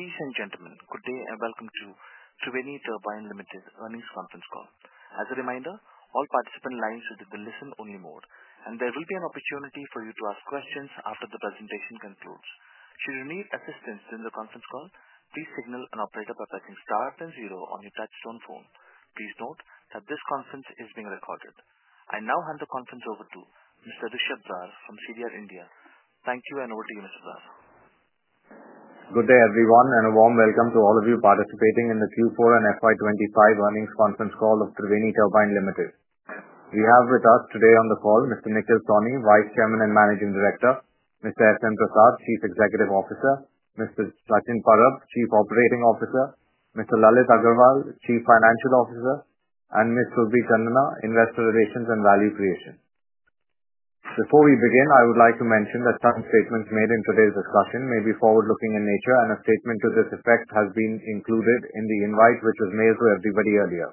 Ladies and gentlemen, good day and welcome to Triveni Turbine Limited's earnings conference call. As a reminder, all participant lines are in the listen-only mode, and there will be an opportunity for you to ask questions after the presentation concludes. Should you need assistance during the conference call, please signal an operator by pressing star zero on your touchstone phone. Please note that this conference is being recorded. I now hand the conference over to Mr. Rishabh Brar from CDR India. Thank you, and over to you, Mr. Brar. Good day, everyone, and a warm welcome to all of you participating in the Q4 and FY25 earnings conference call of Triveni Turbine Limited. We have with us today on the call Mr. Nikhil Sawhney, Vice Chairman and Managing Director; Mr. S. N. Prasad, Chief Executive Officer; Mr. Sachin Parab, Chief Operating Officer; Mr. Lalit Agarwal, Chief Financial Officer; and Ms. Surabhi Chandna, Investor Relations and Value Creation. Before we begin, I would like to mention that some statements made in today's discussion may be forward-looking in nature, and a statement to this effect has been included in the invite which was mailed to everybody earlier.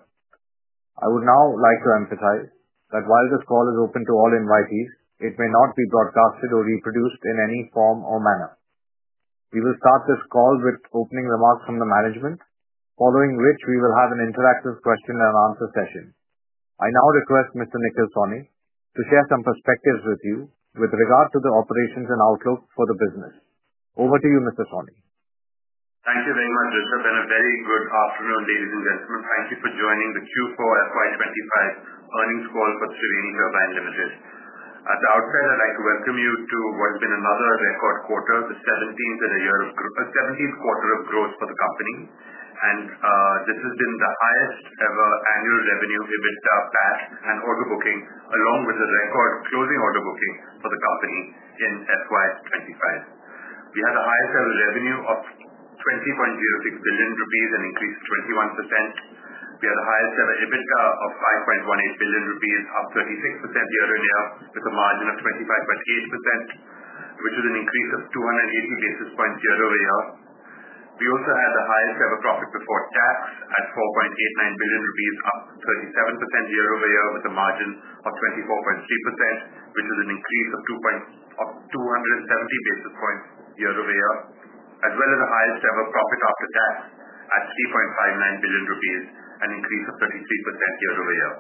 I would now like to emphasize that while this call is open to all invitees, it may not be broadcasted or reproduced in any form or manner. We will start this call with opening remarks from the management, following which we will have an interactive question-and-answer session. I now request Mr. Nikhil Sawhney to share some perspectives with you with regard to the operations and outlook for the business. Over to you, Mr. Sawhney. Thank you very much, Rishabh, and a very good afternoon, ladies and gentlemen. Thank you for joining the Q4 FY 2025 earnings call for Triveni Turbine Limited. At the outset, I'd like to welcome you to what has been another record quarter, the 17th in a year of growth for the company. This has been the highest-ever annual revenue, EBITDA, PAT, and order booking, along with the record closing order booking for the company in FY 2025. We had the highest-ever revenue of INR 20.06 billion, an increase of 21%. We had the highest-ever EBITDA of 5.18 billion rupees, up 36% year-on-year, with a margin of 25.8%, which is an increase of 280 basis points year-over-year. We also had the highest-ever profit before tax at 4.89 billion rupees, up 37% year-over-year, with a margin of 24.3%, which is an increase of 270 basis points year-over-year, as well as the highest-ever profit after tax at 3.59 billion rupees, an increase of 33% year-over-year.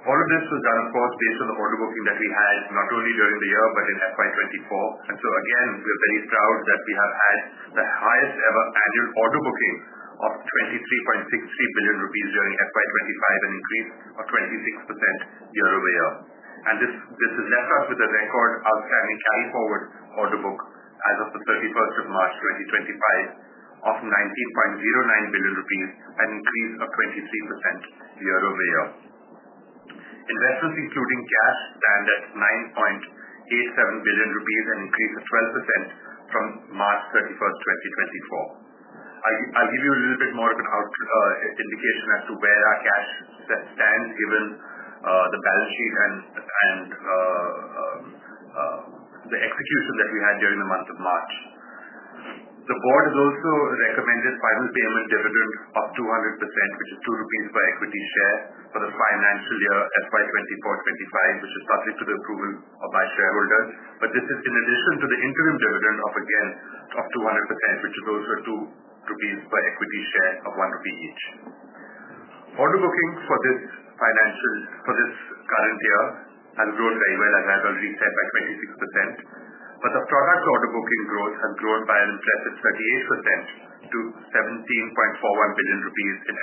All of this was done, of course, based on the order booking that we had not only during the year but in FY 2024. We are very proud that we have had the highest-ever annual order booking of 23.63 billion rupees during FY 2024, an increase of 26% year-over-year. This has left us with a record outstanding carry-forward order book as of March 31, 2024 of 19.09 billion rupees, an increase of 23% year-over-year. Investments, including cash, stand at 9.87 billion rupees, an increase of 12% from March 31, 2023. I'll give you a little bit more of an indication as to where our cash stands given the balance sheet and the execution that we had during the month of March. The board has also recommended final payment dividend of 200%, which is 2 rupees per equity share for the financial year 2024-2025, which is subject to the approval by shareholders. This is in addition to the interim dividend of, again, of 200%, which is also 2 crore rupees per equity share of 1 crore rupee each. Order booking for this current year has grown very well, as I've already said, by 26%. The product order booking growth has grown by an impressive 38% to 17.41 billion rupees in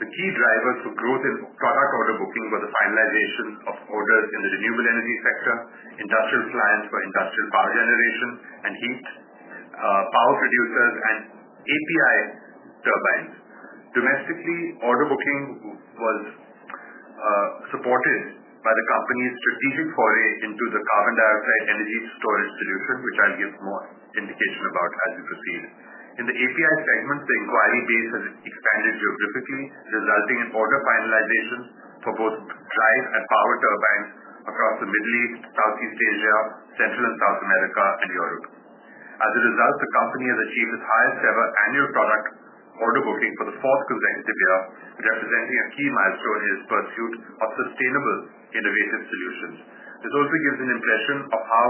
2024-2025. The key drivers for growth in product order booking were the finalization of orders in the renewable energy sector, industrial plants for industrial power generation, and heat, power producers, and API turbines. Domestically, order booking was supported by the company's strategic foray into the carbon dioxide energy storage solution, which I'll give more indication about as we proceed. In the API segment, the inquiry base has expanded geographically, resulting in order finalizations for both drive and power turbines across the Middle East, Southeast Asia, Central and South America, and Europe. As a result, the company has achieved its highest-ever annual product order booking for the fourth consecutive year, representing a key milestone in its pursuit of sustainable innovative solutions. This also gives an impression of how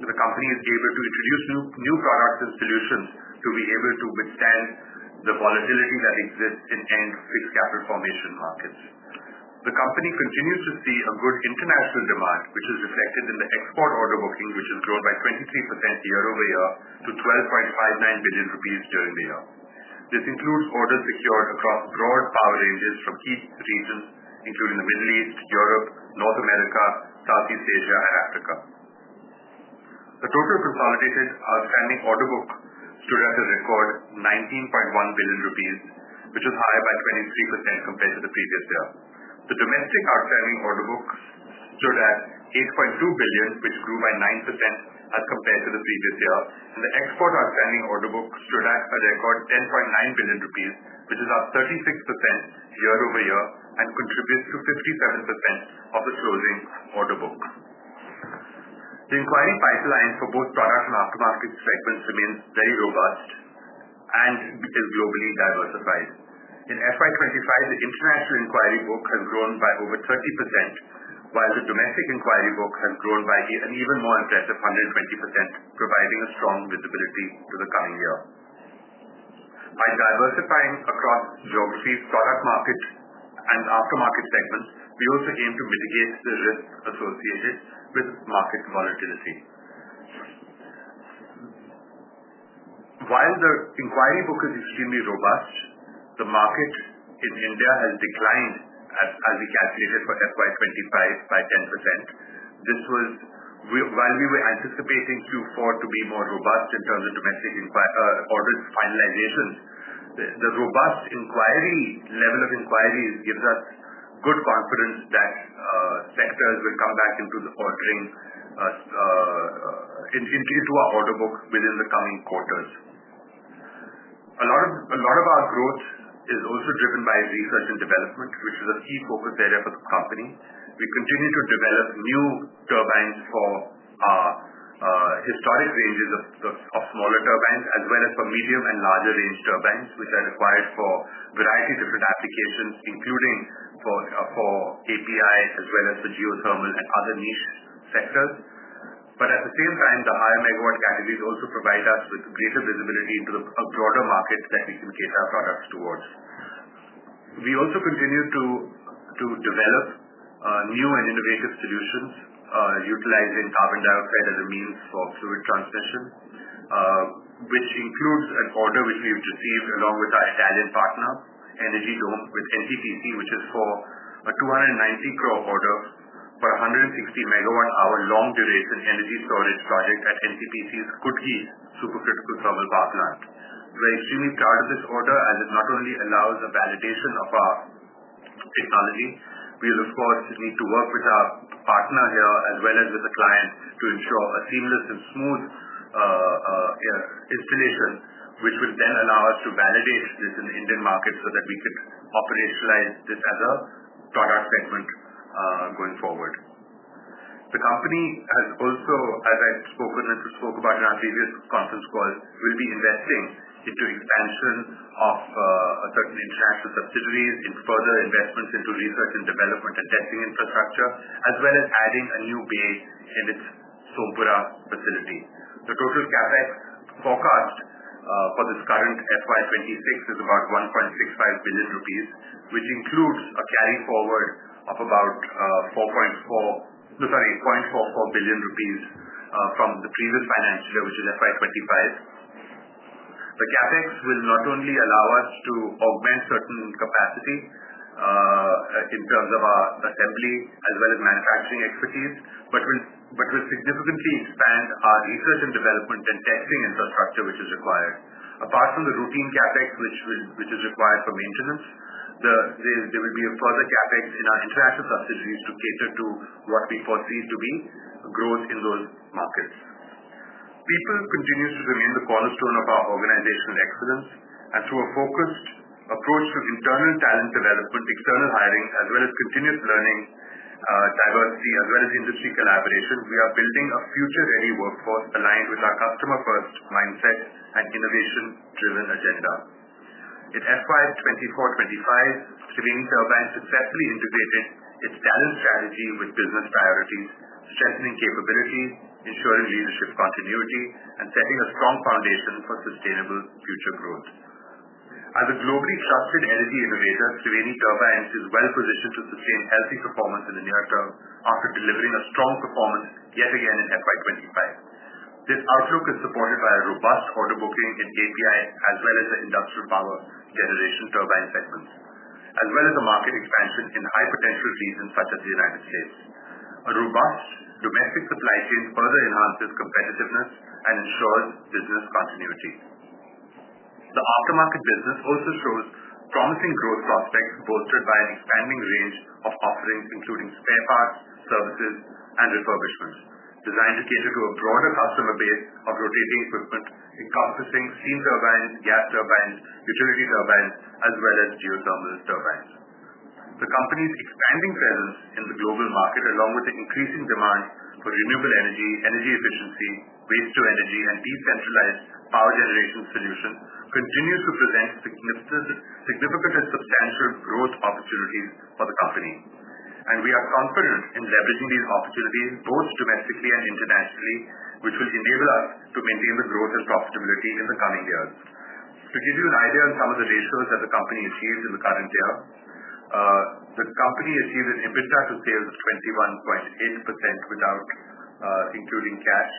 the company is able to introduce new products and solutions to be able to withstand the volatility that exists in end fixed capital formation markets. The company continues to see a good international demand, which is reflected in the export order booking, which has grown by 23% year-over-year to 12.59 billion rupees during the year. This includes orders secured across broad power ranges from key regions, including the Middle East, Europe, North America, Southeast Asia, and Africa. The total consolidated outstanding order book stood at a record 19.1 billion rupees, which is high by 23% compared to the previous year. The domestic outstanding order book stood at 8.2 billion, which grew by 9% as compared to the previous year. The export outstanding order book stood at a record 10.9 billion rupees, which is up 36% year-over-year and contributes to 57% of the closing order book. The inquiry pipeline for both product and aftermarket segments remains very robust and is globally diversified. In FY 2025, the international inquiry book has grown by over 30%, while the domestic inquiry book has grown by an even more impressive 120%, providing a strong visibility to the coming year. By diversifying across geographies, product market, and aftermarket segments, we also aim to mitigate the risks associated with market volatility. While the inquiry book is extremely robust, the market in India has declined, as we calculated for FY 2025, by 10%. While we were anticipating Q4 to be more robust in terms of domestic orders finalizations, the robust level of inquiries gives us good confidence that sectors will come back into our order book within the coming quarters. A lot of our growth is also driven by research and development, which is a key focus area for the company. We continue to develop new turbines for historic ranges of smaller turbines, as well as for medium and larger range turbines, which are required for a variety of different applications, including for API, as well as for geothermal and other niche sectors. At the same time, the higher MW categories also provide us with greater visibility into a broader market that we can cater our products towards. We also continue to develop new and innovative solutions utilizing carbon dioxide as a means for fluid transmission, which includes an order which we've received along with our Italian partner, Energy Dome, with NTPC, which is for an 290 crore order for a 160MW-hour long-duration energy storage project at NTPC's Kudgi Supercritical Thermal Power Plant. We are extremely proud of this order as it not only allows a validation of our technology. We will, of course, need to work with our partner here as well as with the client to ensure a seamless and smooth installation, which will then allow us to validate this in the Indian market so that we could operationalize this as a product segment going forward. The company has also, as I've spoken and spoke about in our previous conference call, will be investing into expansion of certain international subsidiaries, in further investments into research and development and testing infrastructure, as well as adding a new bay in its Sompura facility. The total CapEx forecast for this current FY 2026 is about 1.65 billion rupees, which includes a carry-forward of about INR 4.44 billion from the previous financial year, which is FY 2025. The CapEx will not only allow us to augment certain capacity in terms of our assembly as well as manufacturing expertise, but will significantly expand our research and development and testing infrastructure which is required. Apart from the routine CapEx, which is required for maintenance, there will be a further CapEx in our international subsidiaries to cater to what we foresee to be growth in those markets. People continue to remain the cornerstone of our organizational excellence. Through a focused approach to internal talent development, external hiring, as well as continuous learning diversity, as well as industry collaboration, we are building a future-ready workforce aligned with our customer-first mindset and innovation-driven agenda. In FY 2024- FY 2025, Triveni Turbine successfully integrated its talent strategy with business priorities, strengthening capability, ensuring leadership continuity, and setting a strong foundation for sustainable future growth. As a globally trusted energy innovator, Triveni Turbine is well-positioned to sustain healthy performance in the near term after delivering a strong performance yet again in FY 2025. This outlook is supported by a robust order booking in API as well as the industrial power generation turbine segments, as well as a market expansion in high-potential regions such as the United States. A robust domestic supply chain further enhances competitiveness and ensures business continuity. The aftermarket business also shows promising growth prospects, bolstered by an expanding range of offerings, including spare parts, services, and refurbishment, designed to cater to a broader customer base of rotating equipment encompassing steam turbines, gas turbines, utility turbines, as well as geothermal turbines. The company's expanding presence in the global market, along with the increasing demand for renewable energy, energy efficiency, waste-to-energy, and decentralized power generation solutions, continues to present significant and substantial growth opportunities for the company. We are confident in leveraging these opportunities both domestically and internationally, which will enable us to maintain the growth and profitability in the coming years. To give you an idea on some of the ratios that the company achieved in the current year, the company achieved an EBITDA to sales of 21.8% without including cash,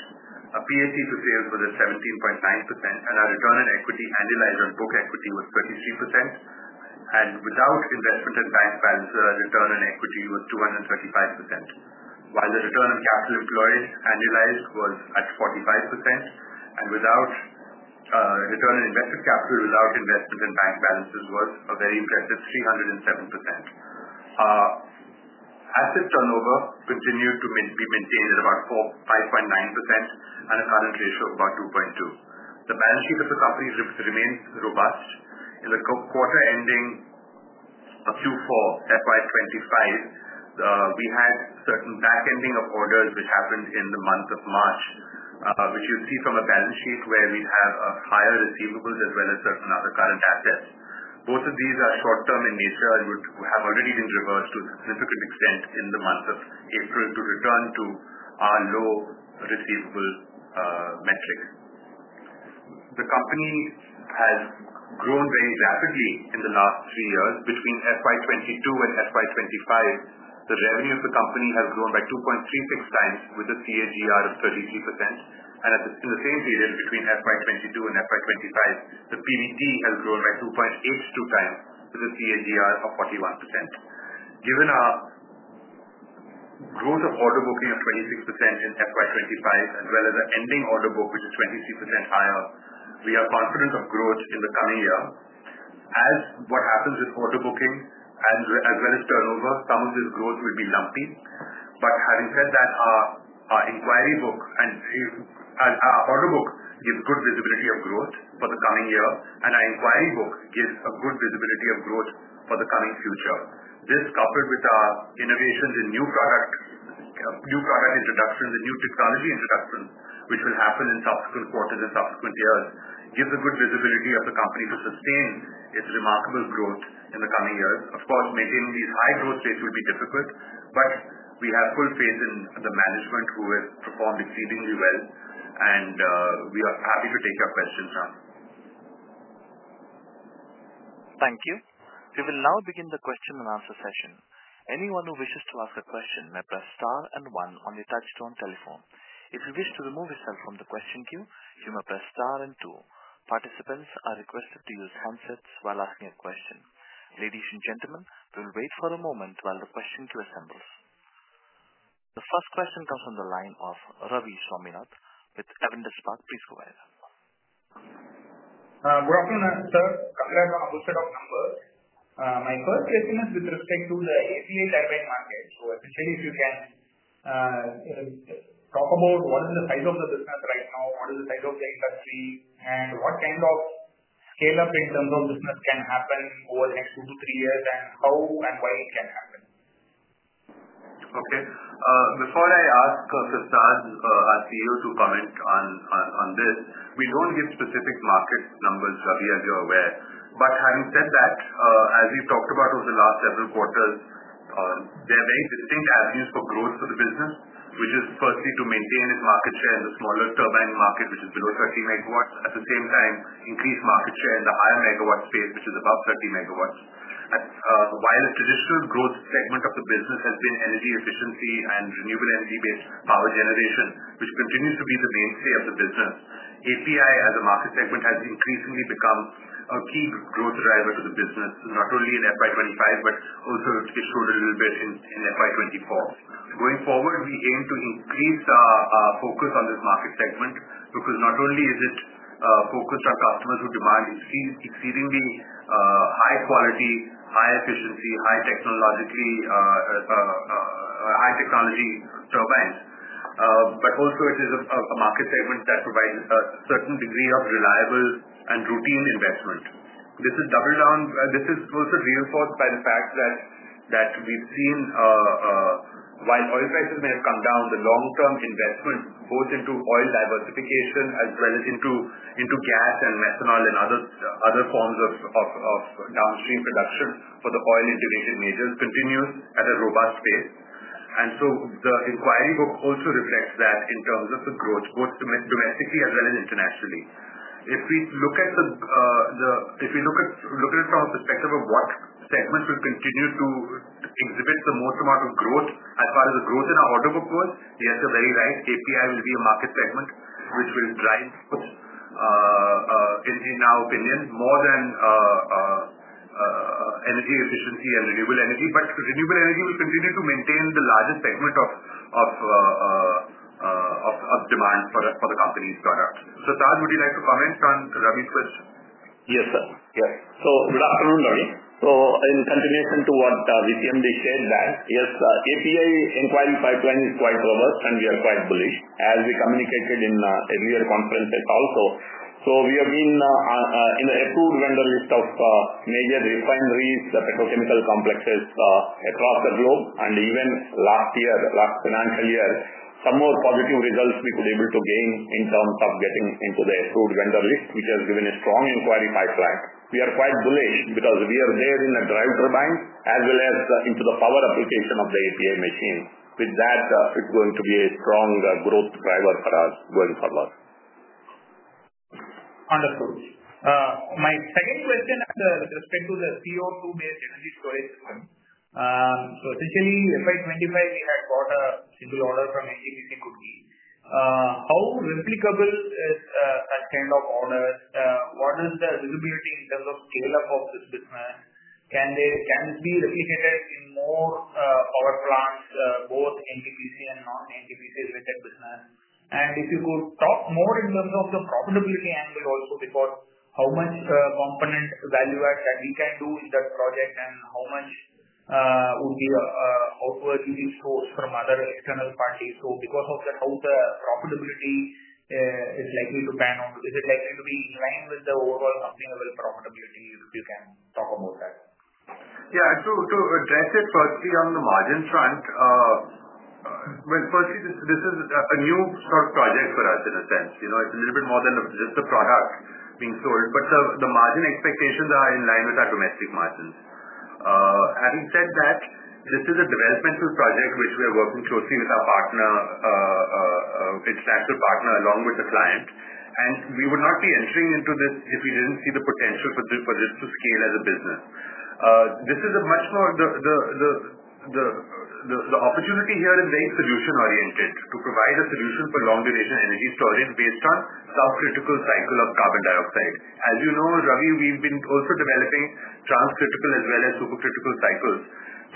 a PAT to sales was at 17.9%, and our return on equity annualized on book equity was 33%. Without investment and bank balances, our return on equity was 235%, while the return on capital employed annualized was at 45%. Return on invested capital without investment and bank balances was a very impressive 307%. Asset turnover continued to be maintained at about 5.9% and a current ratio of about 2.2. The balance sheet of the company remains robust. In the quarter ending of Q4 FY 2025, we had certain backending of orders which happened in the month of March, which you'll see from a balance sheet where we have higher receivables as well as certain other current assets. Both of these are short-term in nature and would have already been reversed to a significant extent in the month of April to return to our low receivable metric. The company has grown very rapidly in the last three years. Between FY 2022 and FY 2025, the revenue of the company has grown by 2.36 times with a CAGR of 33%. In the same period between FY 2022 and FY 2025, the PBT has grown by 2.82 times with a CAGR of 41%. Given our growth of order booking of 26% in FY 2025 as well as our ending order book, which is 23% higher, we are confident of growth in the coming year. As what happens with order booking as well as turnover, some of this growth will be lumpy. Having said that, our inquiry book and our order book gives good visibility of growth for the coming year, and our inquiry book gives a good visibility of growth for the coming future. This, coupled with our innovations in new product introductions and new technology introductions, which will happen in subsequent quarters and subsequent years, gives a good visibility of the company to sustain its remarkable growth in the coming years. Of course, maintaining these high growth rates will be difficult, but we have full faith in the management who have performed exceedingly well, and we are happy to take your questions, Ram. Thank you. We will now begin the question and answer session. Anyone who wishes to ask a question may press star and one on the touchstone telephone. If you wish to remove yourself from the question queue, you may press star and two. Participants are requested to use handsets while asking a question. Ladies and gentlemen, we will wait for a moment while the question queue assembles. The first question comes from the line of Ravi Swaminathan with Avendus Spark. Please go ahead. Good afternoon, sir. I'm a little bit outnumbered. My first question is with respect to the API turbine market. So essentially, if you can talk about what is the size of the business right now, what is the size of the industry, and what kind of scale-up in terms of business can happen over the next two to three years, and how and why it can happen. Okay. Before I ask S. N. Prasad, our CEO, to comment on this, we don't give specific market numbers, Ravi, as you're aware. Having said that, as we've talked about over the last several quarters, there are very distinct avenues for growth for the business, which is firstly to maintain its market share in the smaller turbine market, which is below 30 MW, at the same time increase market share in the higher megawatt space, which is above 30 MW. While a traditional growth segment of the business has been energy efficiency and renewable energy-based power generation, which continues to be the mainstay of the business, API as a market segment has increasingly become a key growth driver for the business, not only in FY 2025 but also it showed a little bit in FY 2024. Going forward, we aim to increase our focus on this market segment because not only is it focused on customers who demand exceedingly high quality, high efficiency, high technology turbines, but also it is a market segment that provides a certain degree of reliable and routine investment. This is double down. This is also reinforced by the fact that we've seen, while oil prices may have come down, the long-term investment both into oil diversification as well as into gas and methanol and other forms of downstream production for the oil-integrated majors continues at a robust pace. The inquiry book also reflects that in terms of the growth, both domestically as well as internationally. If we look at it from a perspective of what segments will continue to exhibit the most amount of growth as far as the growth in our order book goes, yes, you're very right. API will be a market segment which will drive, in our opinion, more than energy efficiency and renewable energy. However, renewable energy will continue to maintain the largest segment of demand for the company's products. Prasad, would you like to comment on Ravi's question? Yes, sir. Yes. Good afternoon, Ravi. In continuation to what Vishyamdi shared there, yes, API inquiry pipeline is quite robust, and we are quite bullish, as we communicated in earlier conferences also. We have been in the approved vendor list of major refineries, petrochemical complexes across the globe. Even last year, last financial year, some more positive results we could be able to gain in terms of getting into the approved vendor list, which has given a strong inquiry pipeline. We are quite bullish because we are there in the drive turbine as well as into the power application of the API machine. With that, it's going to be a strong growth driver for us going forward. Wonderful. My second question with respect to the CO2-based energy storage system. Essentially, FY 2025, we had bought a single order from NTPC Kudgi. How replicable is such kind of orders? What is the visibility in terms of scale-up of this business? Can this be replicated in more power plants, both NTPC and non-NTPC-related business? If you could talk more in terms of the profitability angle also because how much component value-add that we can do in that project and how much would be outwardly sourced from other external parties? Because of that, how the profitability is likely to pan out? Is it likely to be in line with the overall company-level profitability if you can talk about that? Yeah. To address it, firstly, on the margin front, this is a new sort of project for us in a sense. It's a little bit more than just the product being sold, but the margin expectations are in line with our domestic margins. Having said that, this is a developmental project which we are working closely with our international partner along with the client. We would not be entering into this if we did not see the potential for this to scale as a business. This is a much more, the opportunity here is very solution-oriented to provide a solution for long-duration energy storage based on subcritical cycle of carbon dioxide. As you know, Ravi, we have been also developing transcritical as well as supercritical cycles.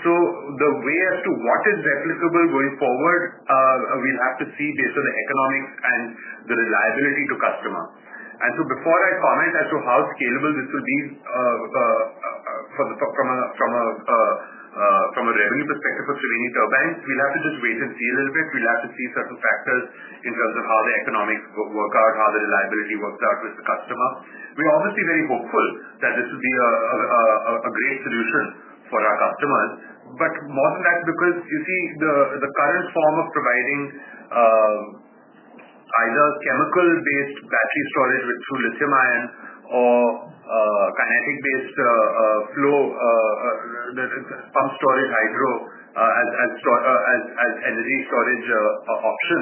The way as to what is replicable going forward, we will have to see based on the economics and the reliability to customer. Before I comment as to how scalable this will be from a revenue perspective for Triveni Turbine, we will have to just wait and see a little bit. We will have to see certain factors in terms of how the economics work out, how the reliability works out with the customer. We are obviously very hopeful that this will be a great solution for our customers. More than that, because you see, the current form of providing either chemical-based battery storage through lithium-ion or kinetic-based flow pump storage hydro as energy storage option,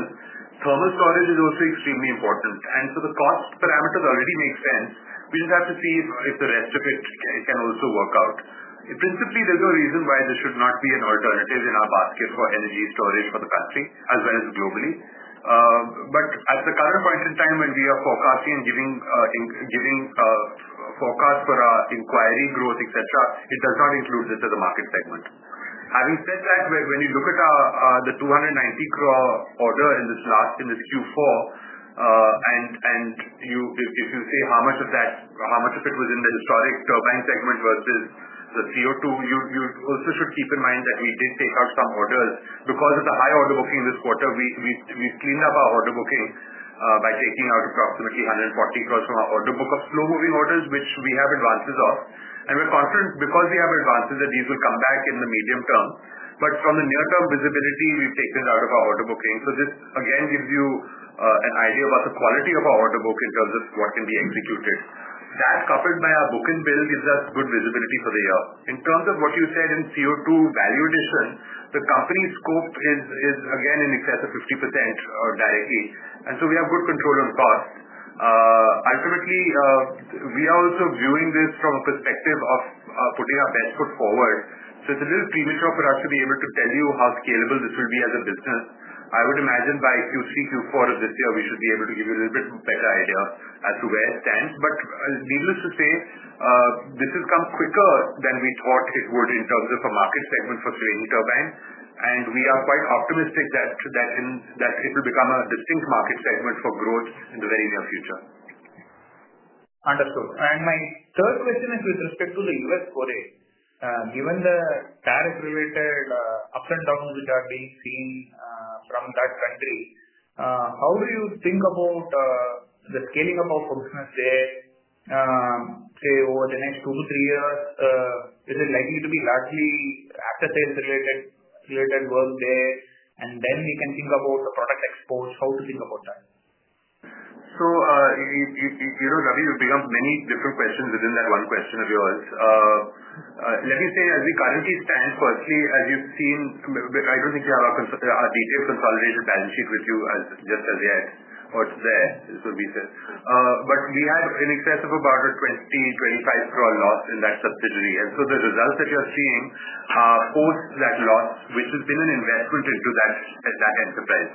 thermal storage is also extremely important. The cost parameters already make sense. We just have to see if the rest of it can also work out. Principally, there is no reason why there should not be an alternative in our basket for energy storage for the country as well as globally. At the current point in time, when we are forecasting and giving forecasts for our inquiry growth, etc., it does not include this as a market segment. Having said that, when you look at the 290 crore order in this Q4, and if you see how much of that, how much of it was in the historic turbine segment versus the CO2, you also should keep in mind that we did take out some orders. Because of the high order booking this quarter, we've cleaned up our order booking by taking out approximately 140 crore from our order book of slow-moving orders, which we have advances of. We're confident because we have advances that these will come back in the medium term. From the near-term visibility, we've taken it out of our order booking. This, again, gives you an idea about the quality of our order book in terms of what can be executed. That, coupled by our book and bill, gives us good visibility for the year. In terms of what you said in CO2 value addition, the company's scope is, again, in excess of 50% directly. We have good control on cost. Ultimately, we are also viewing this from a perspective of putting our best foot forward. It is a little premature for us to be able to tell you how scalable this will be as a business. I would imagine by Q3, Q4 of this year, we should be able to give you a little bit better idea as to where it stands. Needless to say, this has come quicker than we thought it would in terms of a market segment for Triveni Turbine. We are quite optimistic that it will become a distinct market segment for growth in the very near future. Understood. My third question is with respect to the U.S. foray. Given the tariff-related ups and downs which are being seen from that country, how do you think about the scaling of our functional sale over the next two to three years? Is it likely to be largely after-sales-related work there? Then we can think about the product exports. How to think about that? Ravi, there have become many different questions within that one question of yours. Let me say, as we currently stand, firstly, as you have seen, I do not think we have our detailed consolidated balance sheet with you just as yet. Or it is there, so to be said. We have in excess of about 20 crore-25 crore loss in that subsidiary. The results that you are seeing are post that loss, which has been an investment into that enterprise.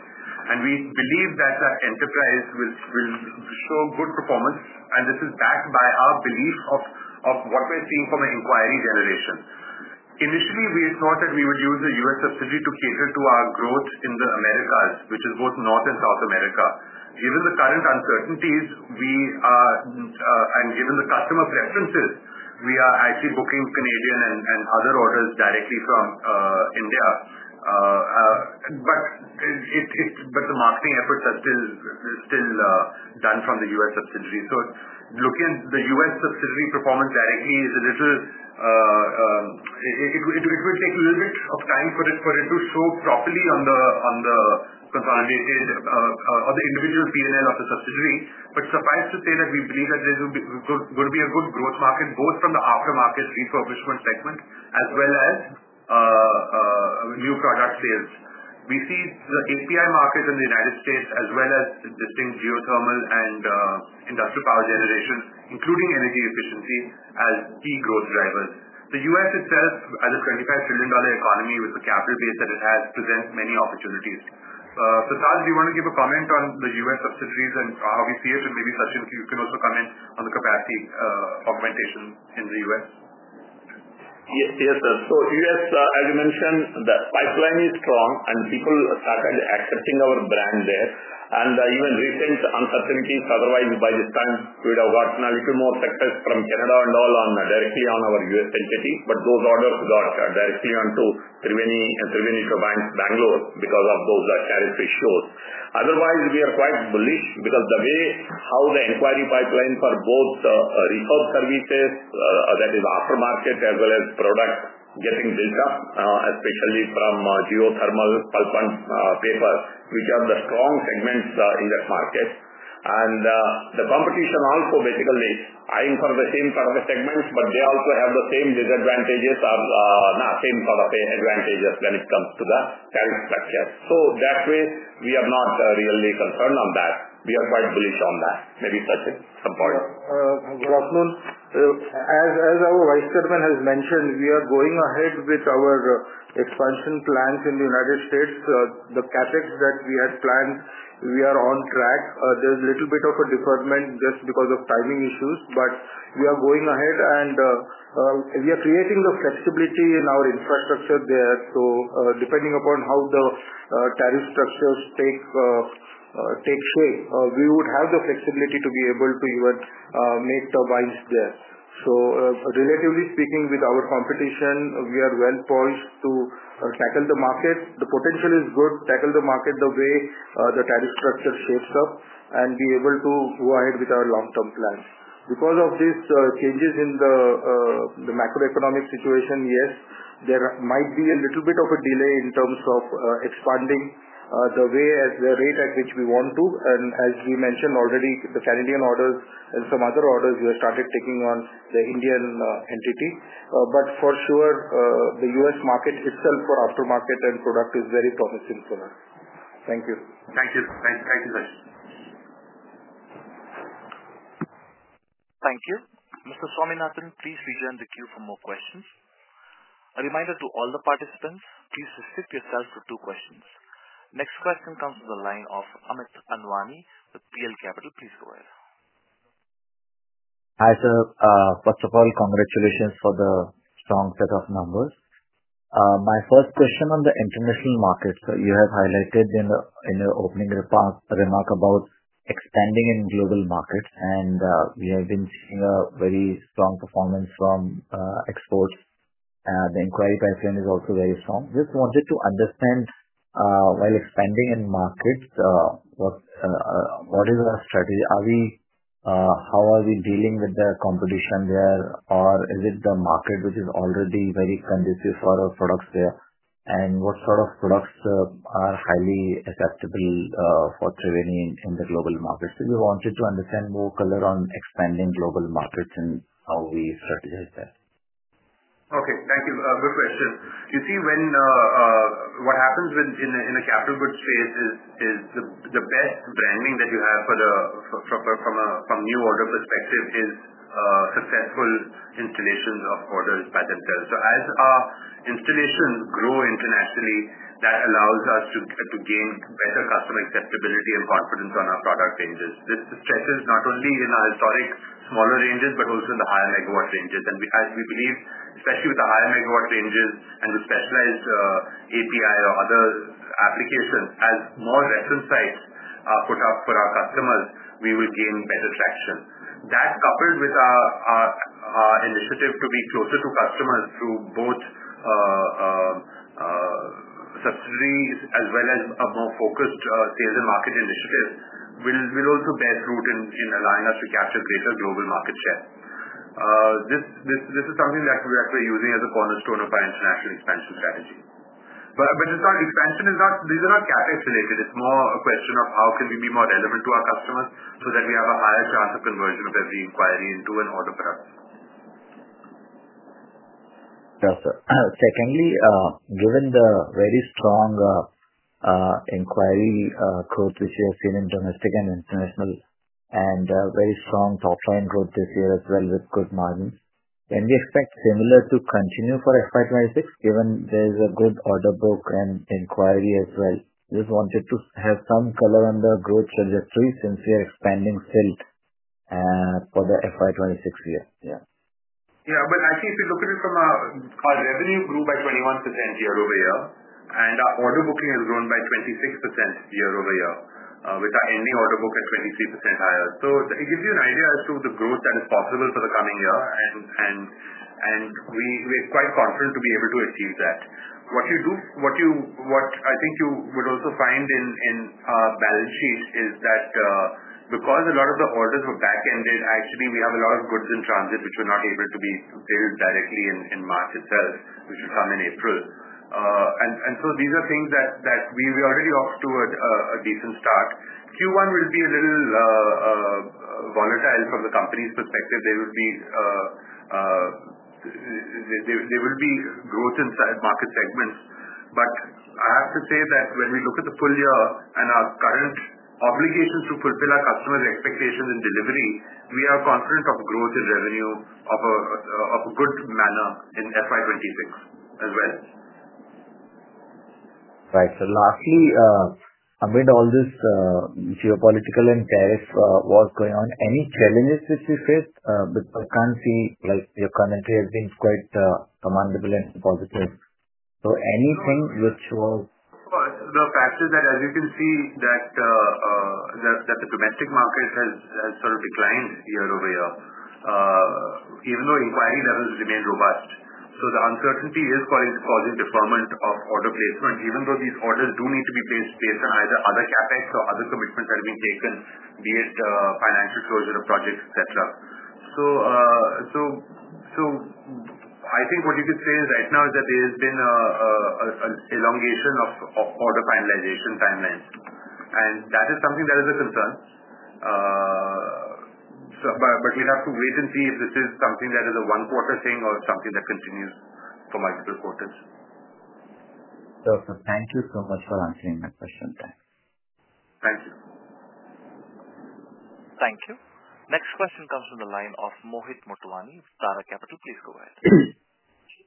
We believe that that enterprise will show good performance. This is backed by our belief of what we're seeing from an inquiry generation. Initially, we thought that we would use a U.S. subsidiary to cater to our growth in the Americas, which is both North and South America. Given the current uncertainties and given the customer preferences, we are actually booking Canadian and other orders directly from India. The marketing efforts are still done from the U.S. subsidiary. Looking at the U.S. subsidiary performance directly, it will take a little bit of time for it to show properly on the individual P&L of the subsidiary. Suffice to say that we believe that there's going to be a good growth market both from the aftermarket refurbishment segment as well as new product sales. We see the API market in the United States as well as distinct geothermal and industrial power generation, including energy efficiency, as key growth drivers. The U.S. itself, as a $25 trillion economy with the capital base that it has, presents many opportunities. Prasad, do you want to give a comment on the U.S. subsidiaries and how we see it? And maybe you can also comment on the capacity augmentation in the U.S.. Yes, sir. So U.S., as you mentioned, the pipeline is strong, and people started accepting our brand there. And even recent uncertainties, otherwise, by this time, we would have gotten a little more success from Canada and all directly on our U.S. entity. But those orders got directly onto Triveni Turbine's Bangalore because of those tariff ratios. Otherwise, we are quite bullish because the way how the inquiry pipeline for both refurb services, that is, aftermarket as well as product, getting built up, especially from geothermal, pulp, and paper, which are the strong segments in that market. The competition also, basically, I am for the same kind of segments, but they also have the same disadvantages or not same sort of advantages when it comes to the tariff structure. That way, we are not really concerned on that. We are quite bullish on that. Maybe such a point. Good afternoon. As our Vice Chairman has mentioned, we are going ahead with our expansion plans in the United States. The CapEx that we had planned, we are on track. There is a little bit of a deferment just because of timing issues. We are going ahead, and we are creating the flexibility in our infrastructure there. Depending upon how the tariff structures take shape, we would have the flexibility to be able to even make turbines there. Relatively speaking, with our competition, we are well poised to tackle the market. The potential is good. Tackle the market the way the tariff structure shapes up and be able to go ahead with our long-term plans. Because of these changes in the macroeconomic situation, yes, there might be a little bit of a delay in terms of expanding the way at the rate at which we want to. As we mentioned already, the Canadian orders and some other orders, we have started taking on the Indian entity. For sure, the U.S. market itself for aftermarket and product is very promising for us. Thank you. Thank you. Thank you, sir. Thank you. Mr. Swaminath, please rejoin the queue for more questions. A reminder to all the participants, please restrict yourself to two questions. Next question comes from the line of Amit Anwani with PL Capital. Please go ahead. Hi, sir. First of all, congratulations for the strong set of numbers. My first question on the international market, sir, you have highlighted in your opening remark about expanding in global markets. And we have been seeing a very strong performance from exports. The inquiry pipeline is also very strong. Just wanted to understand, while expanding in markets, what is our strategy? How are we dealing with the competition there? Or is it the market which is already very conducive for our products there? And what sort of products are highly acceptable for Triveni in the global markets? We wanted to understand more color on expanding global markets and how we strategize that. Okay. Thank you. Good question. You see, what happens in a capital goods space is the best branding that you have from a new order perspective is successful installations of orders by themselves. As our installations grow internationally, that allows us to gain better customer acceptability and confidence on our product ranges. This stretches not only in our historic smaller ranges but also the higher megawatt ranges. As we believe, especially with the higher megawatt ranges and the specialized API or other applications, as more reference sites are put up for our customers, we will gain better traction. That, coupled with our initiative to be closer to customers through both subsidiaries as well as a more focused sales and market initiative, will also bear fruit in allowing us to capture greater global market share. This is something that we're using as a cornerstone of our international expansion strategy. Expansion is not, these are not CapEx related. It is more a question of how can we be more relevant to our customers so that we have a higher chance of conversion of every inquiry into an order for us. Yes, sir. Secondly, given the very strong inquiry growth which we have seen in domestic and international, and very strong top-line growth this year as well with good margins, can we expect similar to continue for FY 2026 given there is a good order book and inquiry as well? Just wanted to have some color on the growth trajectory since we are expanding still for the FY 2026 year. Yeah. Yeah. Actually, if you look at it, our revenue grew by 21% year over year. Our order booking has grown by 26% year over year, with our ending order book at 23% higher. It gives you an idea as to the growth that is possible for the coming year. We are quite confident to be able to achieve that. What you would also find in our balance sheet is that because a lot of the orders were back-ended, actually, we have a lot of goods in transit which were not able to be billed directly in March itself, which will come in April. These are things that we are already off to a decent start. Q1 will be a little volatile from the company's perspective. There will be growth in market segments. I have to say that when we look at the full year and our current obligations to fulfill our customers' expectations in delivery, we are confident of growth in revenue of a good manner in FY 2026 as well. Right. Lastly, amid all this geopolitical and tariff war going on, any challenges which you faced? Because I can see your commentary has been quite commendable and positive. Anything which was. The fact is that, as you can see, the domestic market has sort of declined year over year, even though inquiry levels remain robust. The uncertainty is causing deferment of order placement, even though these orders do need to be placed based on either other CapEx or other commitments that have been taken, be it financial closure of projects, etc. I think what you could say right now is that there has been an elongation of order finalization timelines. That is something that is a concern. We have to wait and see if this is something that is a one-quarter thing or something that continues for multiple quarters. Sir, thank you so much for answering my question. Thanks. Thank you. Thank you. Next question comes from the line of Mohit Motwani, Tara Capital. Please go ahead.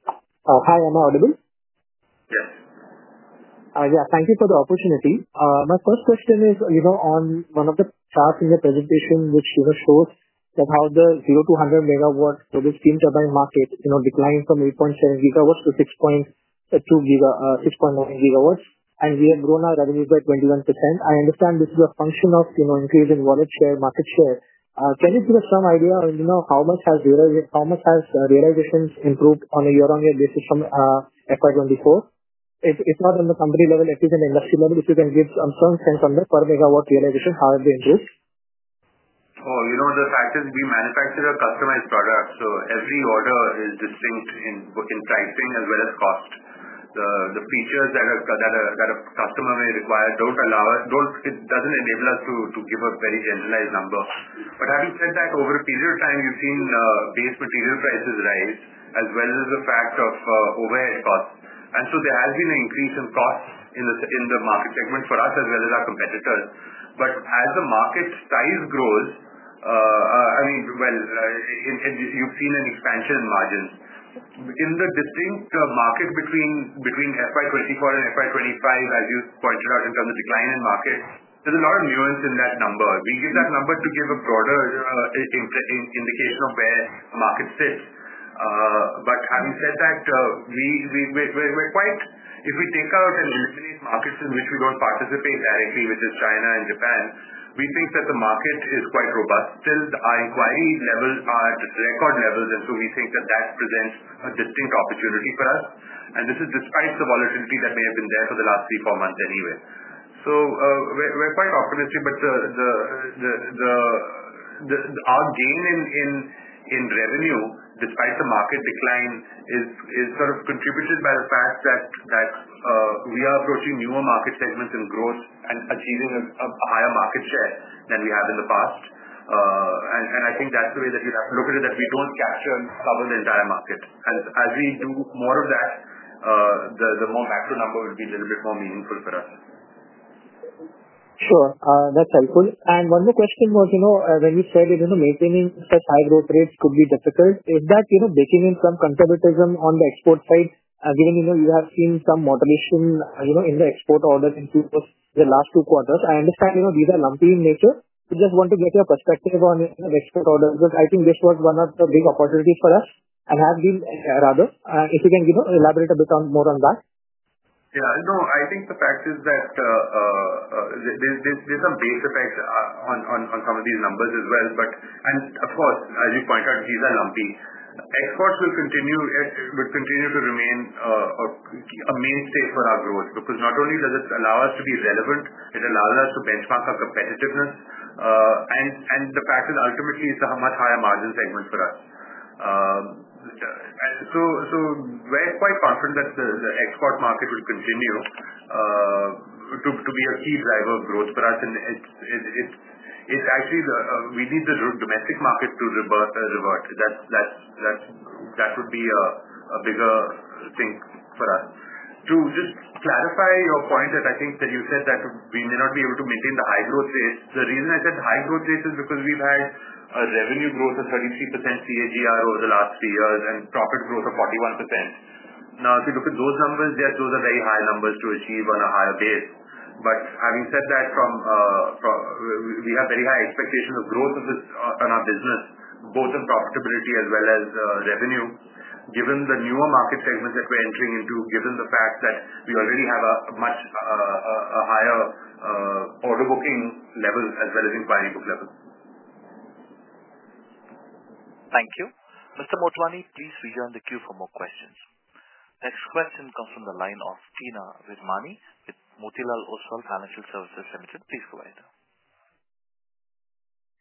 Hi. Am I audible? Yes. Yeah. Thank you for the opportunity. My first question is on one of the charts in your presentation, which shows that how the 0 MW to 100 MW for the steam turbine market declined from 8.7 GW to 6.9 GW. And we have grown our revenues by 21%. I understand this is a function of increasing market share. Can you give us some idea how much has realizations improved on a year-on-year basis from FY 2024? If not on the company level, at least on the industry level, if you can give some sense on the per megawatt realization, how have they improved? Oh, the fact is we manufacture a customized product. Every order is distinct in pricing as well as cost. The features that a customer may require do not allow, it does not enable us to give a very generalized number. Having said that, over a period of time, you have seen base material prices rise as well as the fact of overhead costs. There has been an increase in costs in the market segment for us as well as our competitors. As the market size grows, I mean, you have seen an expansion in margins. In the distinct market between FY 2024 and FY 2025, as you pointed out in terms of decline in markets, there is a lot of nuance in that number. We give that number to give a broader indication of where the market sits. Having said that, we're quite, if we take out and eliminate markets in which we don't participate directly, which is China and Japan, we think that the market is quite robust still. Our inquiry levels are at record levels. We think that that presents a distinct opportunity for us. This is despite the volatility that may have been there for the last three, four months anyway. We're quite optimistic. Our gain in revenue, despite the market decline, is sort of contributed by the fact that we are approaching newer market segments and growth and achieving a higher market share than we have in the past. I think that's the way that you have to look at it, that we don't capture and cover the entire market. As we do more of that, the more macro number will be a little bit more meaningful for us. Sure. That's helpful. One more question was, when you said maintaining such high growth rates could be difficult, is that baking in some conservatism on the export side, given you have seen some modulation in the export orders in the last two quarters? I understand these are lumpy in nature. We just want to get your perspective on the export orders. I think this was one of the big opportunities for us and has been, rather. If you can elaborate a bit more on that. Yeah. No, I think the fact is that there's a base effect on some of these numbers as well. Of course, as you point out, these are lumpy. Exports will continue to remain a mainstay for our growth because not only does it allow us to be relevant, it allows us to benchmark our competitiveness. The fact is, ultimately, it is a much higher margin segment for us. We are quite confident that the export market will continue to be a key driver of growth for us. It is actually we need the domestic market to revert. That would be a bigger thing for us. To just clarify your point that I think that you said that we may not be able to maintain the high growth rates, the reason I said the high growth rates is because we have had a revenue growth of 33% CAGR over the last three years and profit growth of 41%. Now, if you look at those numbers, those are very high numbers to achieve on a higher base. But having said that, we have very high expectations of growth on our business, both in profitability as well as revenue, given the newer market segments that we're entering into, given the fact that we already have a much higher order booking level as well as inquiry book level. Thank you. Mr. Motwani, please rejoin the queue for more questions. Next question comes from the line of Teena Virmani with Motilal Oswal Financial Services Limited. Please go ahead.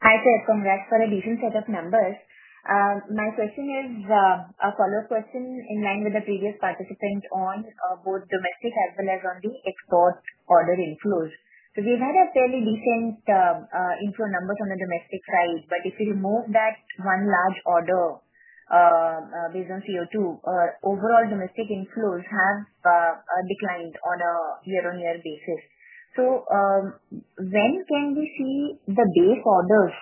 Hi, sir. Congrats for a decent set of numbers. My question is a follow-up question in line with the previous participant on both domestic as well as on the export order inflows. We have had a fairly decent inflow numbers on the domestic side. If you remove that one large order based on CO2, overall domestic inflows have declined on a year-on-year basis. When can we see the base orders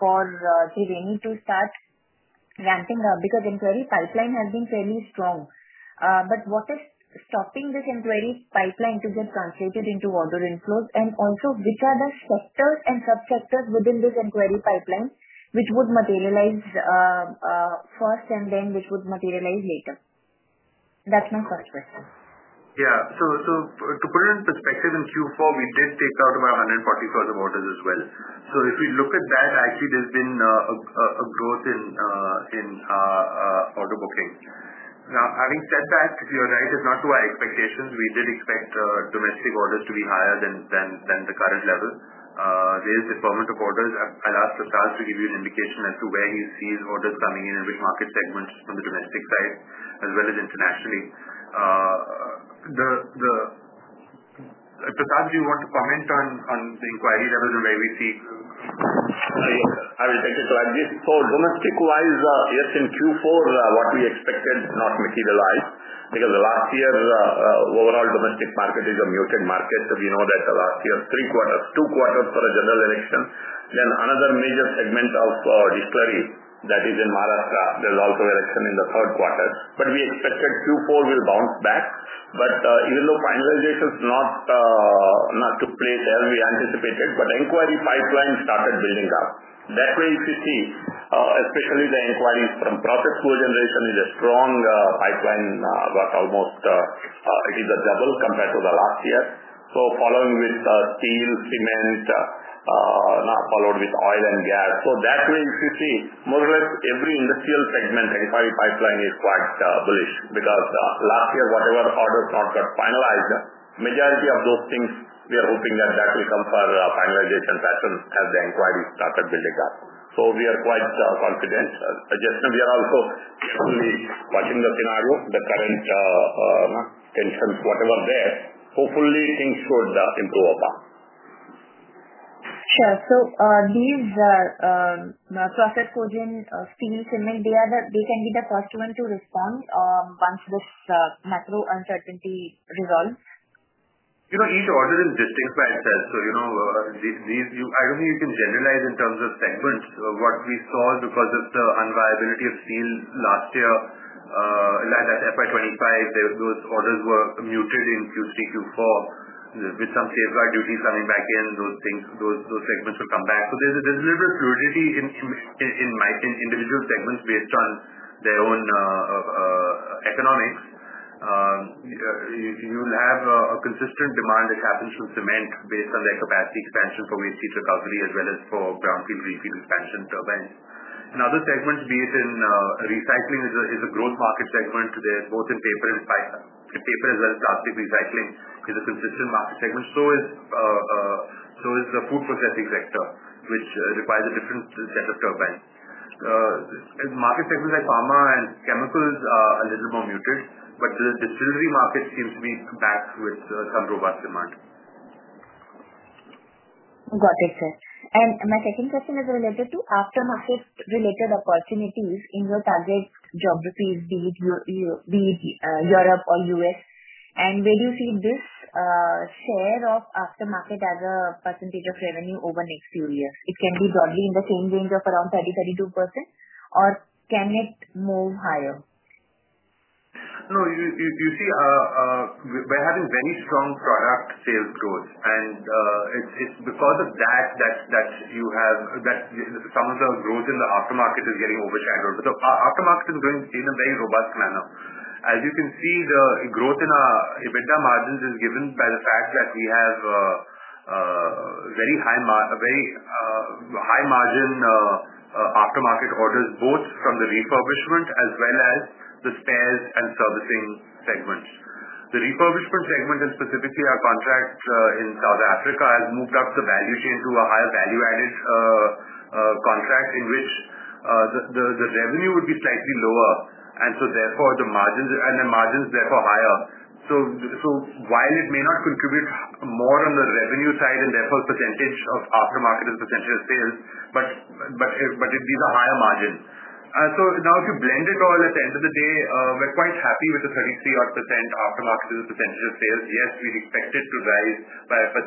for Triveni to start ramping up? Because inquiry pipeline has been fairly strong. What is stopping this inquiry pipeline from getting translated into order inflows? Also, which are the sectors and subsectors within this inquiry pipeline which would materialize first and then which would materialize later? That's my first question. Yeah. To put it in perspective, in Q4, we did take out about 140,000 orders as well. If we look at that, actually, there's been a growth in order booking. Now, having said that, you're right. It's not to our expectations. We did expect domestic orders to be higher than the current level. There's deferment of orders. I'll ask Prasad to give you an indication as to where he sees orders coming in and which market segments on the domestic side as well as internationally. Prasad, do you want to comment on the inquiry levels and where we see? I will take it. Domestic-wise, yes, in Q4, what we expected did not materialize because the last year's overall domestic market is a muted market. We know that last year, three quarters, two quarters for a general election. Another major segment of discovery that is in Maharashtra, there is also election in the third quarter. We expected Q4 will bounce back. Even though finalizations did not take place as we anticipated, the inquiry pipeline started building up. That way, if you see, especially the inquiries from process flow generation, it is a strong pipeline, almost double compared to last year. Following with steel, cement, now followed with oil and gas. That way, if you see, more or less every industrial segment, inquiry pipeline is quite bullish because last year, whatever orders not got finalized, majority of those things, we are hoping that that will come for finalization pattern as the inquiry started building up. We are quite confident. We are also carefully watching the scenario, the current tensions, whatever there. Hopefully, things should improve upon. Sure. These Prasad Cogen, steel, cement, they can be the first one to respond once this macro uncertainty resolves? Each order is distinct by itself. I do not think you can generalize in terms of segments. What we saw because of the unviability of steel last year, like that FY 2025, those orders were muted in Q3, Q4. With some safeguard duties coming back in, those segments will come back. There's a little bit of fluidity in individual segments based on their own economics. You'll have a consistent demand that happens from cement based on their capacity expansion for waste heat recovery as well as for brownfield, refuel expansion turbines. In other segments, be it in recycling, it is a growth market segment. Both in paper and paper as well as plastic recycling, it is a consistent market segment. So is the food processing sector, which requires a different set of turbines. Market segments like pharma and chemicals are a little more muted. The distillery market seems to be back with some robust demand. Got it, sir. My second question is related to aftermarket-related opportunities in your target geographies, be it Europe or U.S.. Where do you see this share of aftermarket as a percentage of revenue over the next few years? It can be broadly in the same range of around 30%-32%, or can it move higher? No, you see, we're having very strong product sales growth. And it's because of that that you have some of the growth in the aftermarket is getting overshadowed. But the aftermarket is growing in a very robust manner. As you can see, the growth in our EBITDA margins is given by the fact that we have very high margin aftermarket orders, both from the refurbishment as well as the spares and servicing segments. The refurbishment segment, and specifically our contract in South Africa, has moved up the value chain to a higher value-added contract in which the revenue would be slightly lower. And so therefore, the margins and the margins therefore higher. While it may not contribute more on the revenue side and therefore percentage of aftermarket as a percentage of sales, these are higher margins. If you blend it all, at the end of the day, we're quite happy with the 33-odd % aftermarket as a percentage of sales. Yes, we expect it to rise by a % or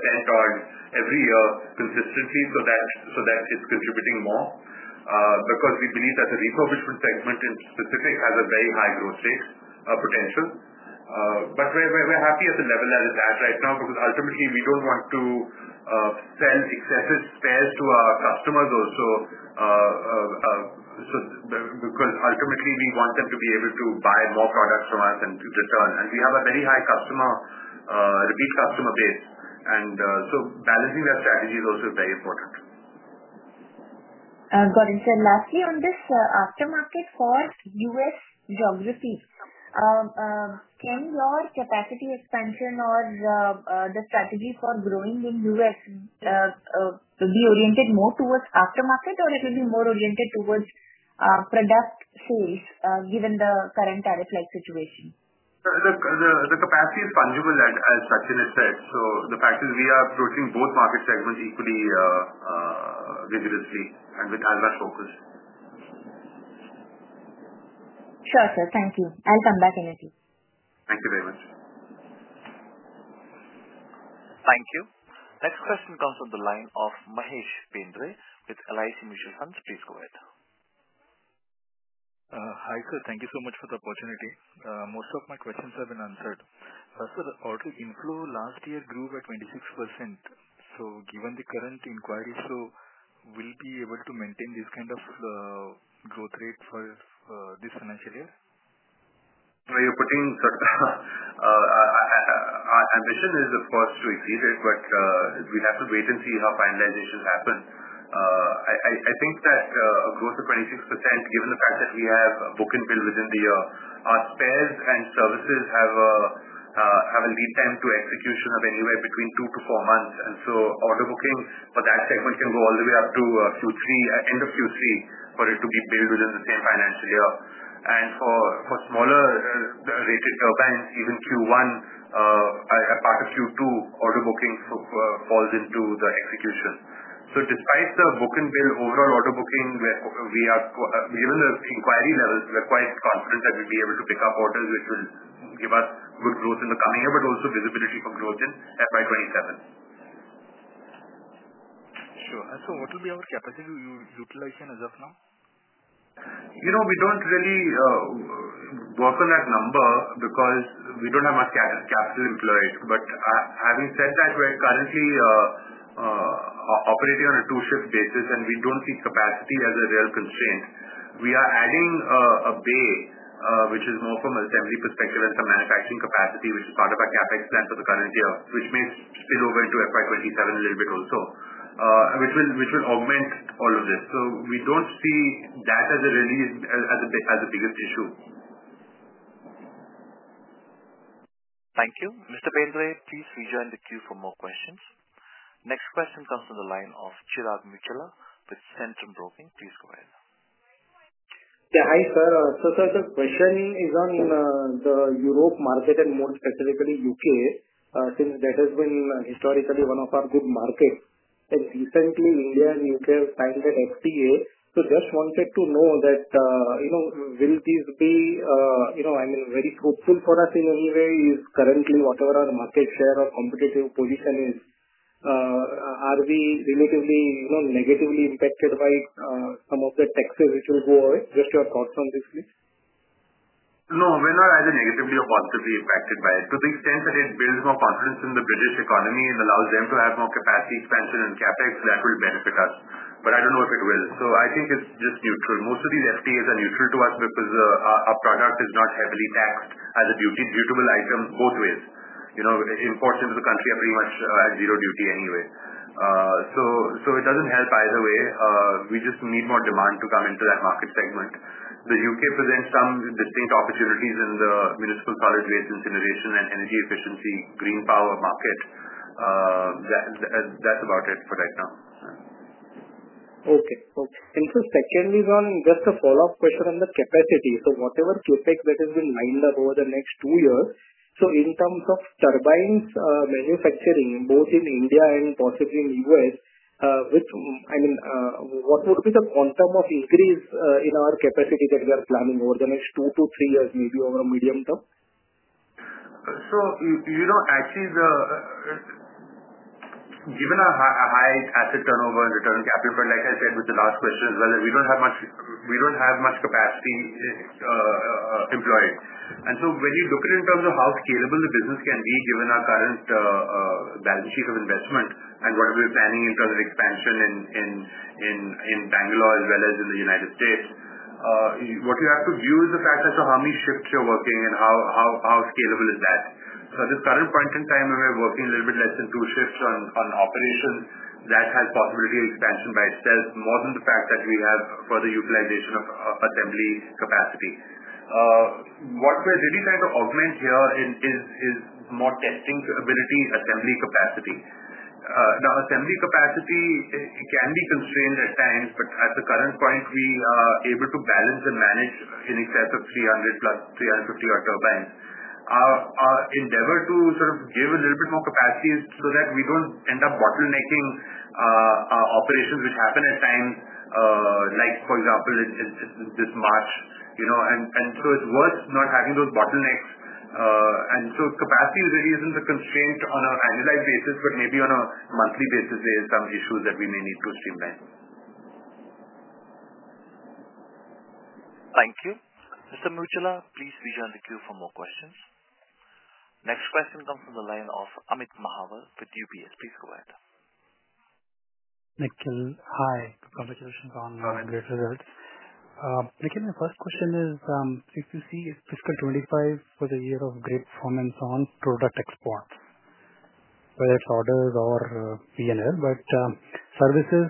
every year consistently so that it's contributing more because we believe that the refurbishment segment in specific has a very high growth rate potential. We're happy at the level that it's at right now because ultimately, we don't want to sell excessive spares to our customers also because ultimately, we want them to be able to buy more products from us in return. We have a very high repeat customer base. Balancing that strategy is also very important. Got it. Lastly, on this aftermarket for U.S. geography, can your capacity expansion or the strategy for growing in U.S. be oriented more towards aftermarket, or will it be more oriented towards product sales given the current tariff-like situation? Look, the capacity is fungible as such in itself. The fact is we are approaching both market segments equally rigorously and with as much focus. Sure, sir. Thank you. I'll come back in a few. Thank you very much. Thank you. Next question comes on the line of Mahesh Bendre with LIC Mutual Funds. Please go ahead. Hi sir. Thank you so much for the opportunity. Most of my questions have been answered. Prasad, our inflow last year grew by 26%. Given the current inquiry flow, will we be able to maintain this kind of growth rate for this financial year? You're putting our ambition is, of course, to exceed it, but we'd have to wait and see how finalization happens. I think that a growth of 26%, given the fact that we have book and bill within the year, our spares and services have a lead time to execution of anywhere between two to four months. Order booking for that segment can go all the way up to end of Q3 for it to be billed within the same financial year. For smaller-rated turbines, even Q1, a part of Q2 order booking falls into the execution. Despite the book and bill overall order booking, given the inquiry levels, we're quite confident that we'll be able to pick up orders, which will give us good growth in the coming year, but also visibility for growth in FY 2027. Sure. What will be our capacity utilization as of now? We do not really work on that number because we do not have much capital employed. Having said that, we are currently operating on a two-shift basis, and we do not see capacity as a real constraint. We are adding a bay, which is more from an assembly perspective and some manufacturing capacity, which is part of our CapEx plan for the current year, which may spill over into FY 2027 a little bit also, which will augment all of this. We do not see that as the biggest issue. Thank you. Mr. Bendre, please rejoin the queue for more questions. Next question comes on the line of Chirag Muchhhala with Centrum Broking. Please go ahead. Yeah. Hi sir. The question is on the Europe market and more specifically U.K., since that has been historically one of our good markets. Recently, India and the U.K. have signed that FTA. Just wanted to know, will this be—I mean, very hopeful for us in any way? Is currently whatever our market share or competitive position is, are we relatively negatively impacted by some of the taxes which will go away? Just your thoughts on this, please. No, we're not either negatively or positively impacted by it. To the extent that it builds more confidence in the British economy and allows them to have more capacity expansion and CapEx, that will benefit us. I don't know if it will. I think it's just neutral. Most of these FTAs are neutral to us because our product is not heavily taxed as a duty-buyable item both ways. Imports into the country are pretty much at zero duty anyway. It doesn't help either way. We just need more demand to come into that market segment. The U.K. presents some distinct opportunities in the municipal solid waste incineration and energy efficiency, green power market. That's about it for right now. Okay. Okay. Secondly, just a follow-up question on the capacity. Whatever CapEx that has been lined up over the next two years, in terms of turbines manufacturing, both in India and possibly in the U.S., I mean, what would be the quantum of increase in our capacity that we are planning over the next two to three years, maybe over a medium term? Actually, given our high asset turnover and return on capital, like I said with the last question as well, we do not have much capacity employed. When you look at it in terms of how scalable the business can be given our current balance sheet of investment and what we're planning in terms of expansion in Bangalore as well as in the United States, what you have to view is the fact that how many shifts you're working and how scalable is that. At this current point in time, when we're working a little bit less than two shifts on operations, that has possibility of expansion by itself, more than the fact that we have further utilization of assembly capacity. What we're really trying to augment here is more testing ability, assembly capacity. Now, assembly capacity can be constrained at times, but at the current point, we are able to balance and manage in excess of 300 plus 350-odd turbines. Our endeavor to sort of give a little bit more capacity is so that we do not end up bottlenecking operations which happen at times, like for example, this March. It is worth not having those bottlenecks. Capacity really is not a constraint on an annualized basis, but maybe on a monthly basis, there are some issues that we may need to streamline. Thank you. Mr. Muchhala, please rejoin the queue for more questions. Next question comes on the line of Amit Mahawar with UBS. Please go ahead. Nikhil, hi. Congratulations on great results. Nikhil, my first question is, if you see fiscal 2025 for the year of great performance on product exports, whether it's orders or P&L, but services,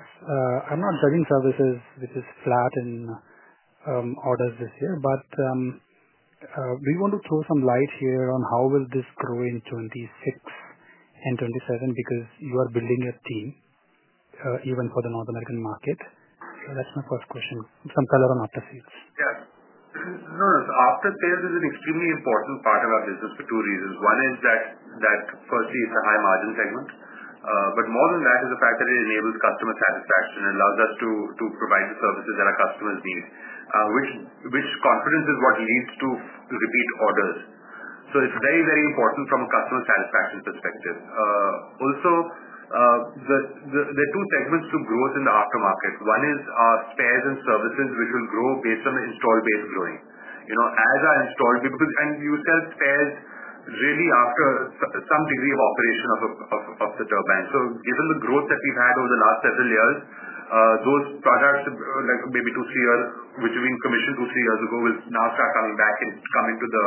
I'm not judging services, which is flat in orders this year, but we want to throw some light here on how will this grow in 2026 and 2027 because you are building a team even for the North American market. That's my first question. Some color on after-sales. Yeah. No, after-sales is an extremely important part of our business for two reasons. One is that, firstly, it's a high-margin segment. More than that is the fact that it enables customer satisfaction and allows us to provide the services that our customers need, which confidence is what leads to repeat orders. It's very, very important from a customer satisfaction perspective. Also, there are two segments to growth in the aftermarket. One is our spares and services, which will grow based on install-based growing. As our install-based—and you sell spares really after some degree of operation of the turbines. Given the growth that we have had over the last several years, those products, maybe two, three years, which we commissioned two, three years ago, will now start coming back and come into the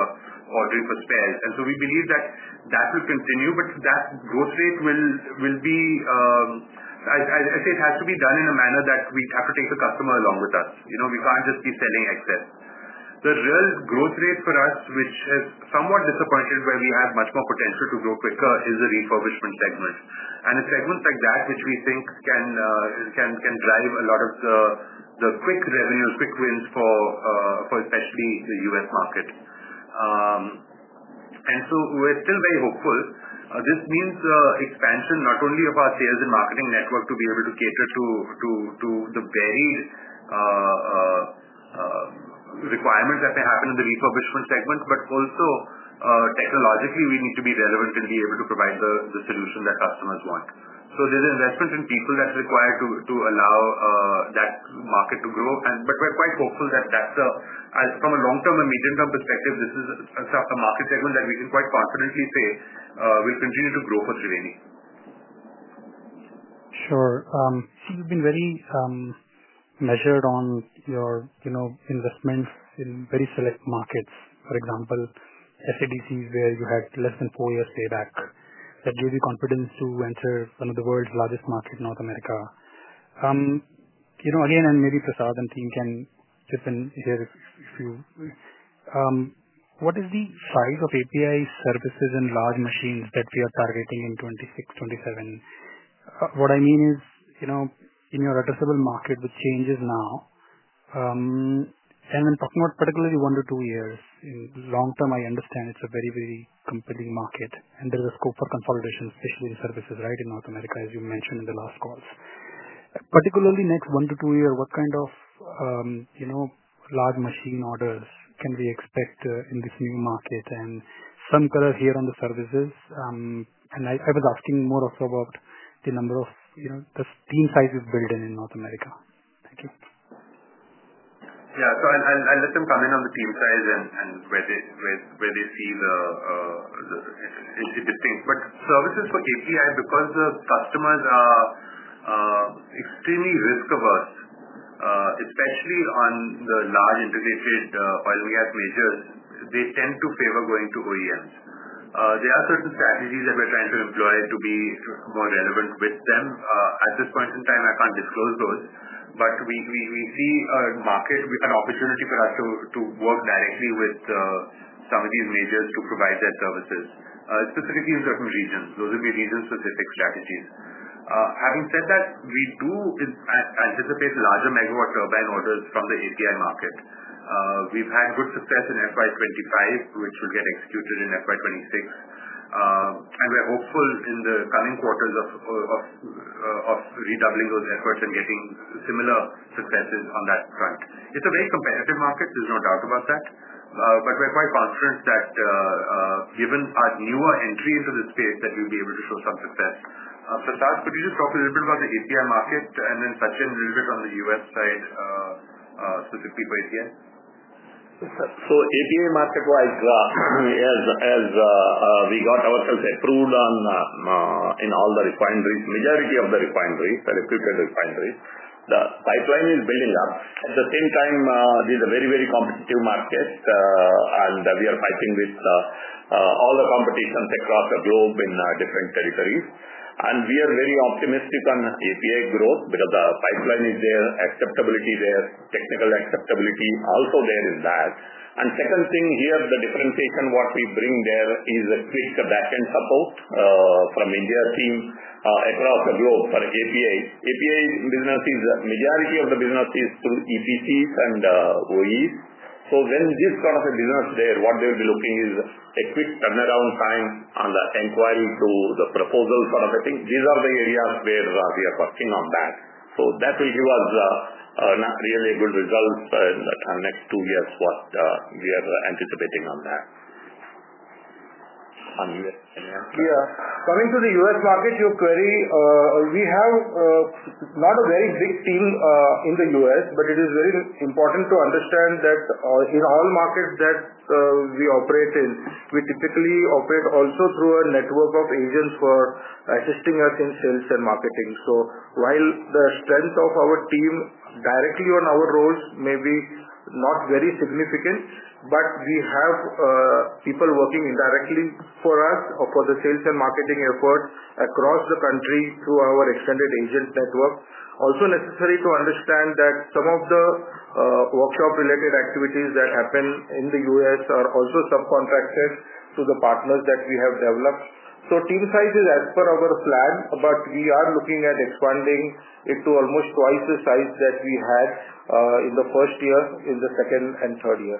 ordering for spares. We believe that that will continue, but that growth rate will be—I say it has to be done in a manner that we have to take the customer along with us. We cannot just be selling excess. The real growth rate for us, which is somewhat disappointed where we have much more potential to grow quicker, is the refurbishment segment. A segment like that, which we think can drive a lot of the quick revenue, quick wins for especially the U.S. market. We're still very hopeful. This means expansion, not only of our sales and marketing network, to be able to cater to the varied requirements that may happen in the refurbishment segment, but also technologically, we need to be relevant and be able to provide the solution that customers want. There is an investment in people that's required to allow that market to grow. We're quite hopeful that from a long-term and medium-term perspective, this is a market segment that we can quite confidently say will continue to grow for Triveni. Sure. You've been very measured on your investments in very select markets. For example, SADC, where you had less than four years' payback that gave you confidence to enter one of the world's largest markets, North America. Again, and maybe Prasad and team can chip in here if you—what is the size of API services and large machines that we are targeting in 2026, 2027? What I mean is in your addressable market, which changes now, and I'm talking about particularly one to two years. In long term, I understand it's a very, very compelling market, and there's a scope for consolidation, especially in services, right, in North America, as you mentioned in the last calls. Particularly next one to two years, what kind of large machine orders can we expect in this new market? And some color here on the services. And I was asking more also about the number of the team sizes built in North America. Thank you. Yeah. So I let them come in on the team size and where they see the distinct. Services for API, because the customers are extremely risk-averse, especially on the large integrated oil and gas majors, they tend to favor going to OEMs. There are certain strategies that we're trying to employ to be more relevant with them. At this point in time, I can't disclose those, but we see a market, an opportunity for us to work directly with some of these majors to provide their services, specifically in certain regions. Those will be region-specific strategies. Having said that, we do anticipate larger megawatt turbine orders from the API market. We've had good success in FY 2025, which will get executed in FY 2026. We are hopeful in the coming quarters of redoubling those efforts and getting similar successes on that front. It's a very competitive market. There's no doubt about that. We're quite confident that given our newer entry into the space, we'll be able to show some success. Prasad, could you just talk a little bit about the API market and then touch in a little bit on the U.S. side, specifically for API? API market-wise, as we got ourselves approved in all the refineries, majority of the refineries, the reputed refineries, the pipeline is building up. At the same time, these are very, very competitive markets, and we are fighting with all the competitors across the globe in different territories. We are very optimistic on API growth because the pipeline is there, acceptability there, technical acceptability also there is that. The second thing here, the differentiation what we bring there is a quick back-end support from India's team across the globe for API. API businesses, majority of the business is through EPCs and OEs. When this kind of a business is there, what they will be looking for is a quick turnaround time on the inquiry to the proposal sort of a thing. These are the areas where we are working on that. That will give us really good results in the next two years, what we are anticipating on that. Yeah. Coming to the U.S. market, your query, we have not a very big team in the U.S., but it is very important to understand that in all markets that we operate in, we typically operate also through a network of agents for assisting us in sales and marketing. While the strength of our team directly on our roles may not be very significant, we have people working indirectly for us or for the sales and marketing efforts across the country through our extended agent network. Also necessary to understand that some of the workshop-related activities that happen in the U.S. are also subcontracted to the partners that we have developed. Team size is as per our plan, but we are looking at expanding it to almost twice the size that we had in the first year, in the second and third year.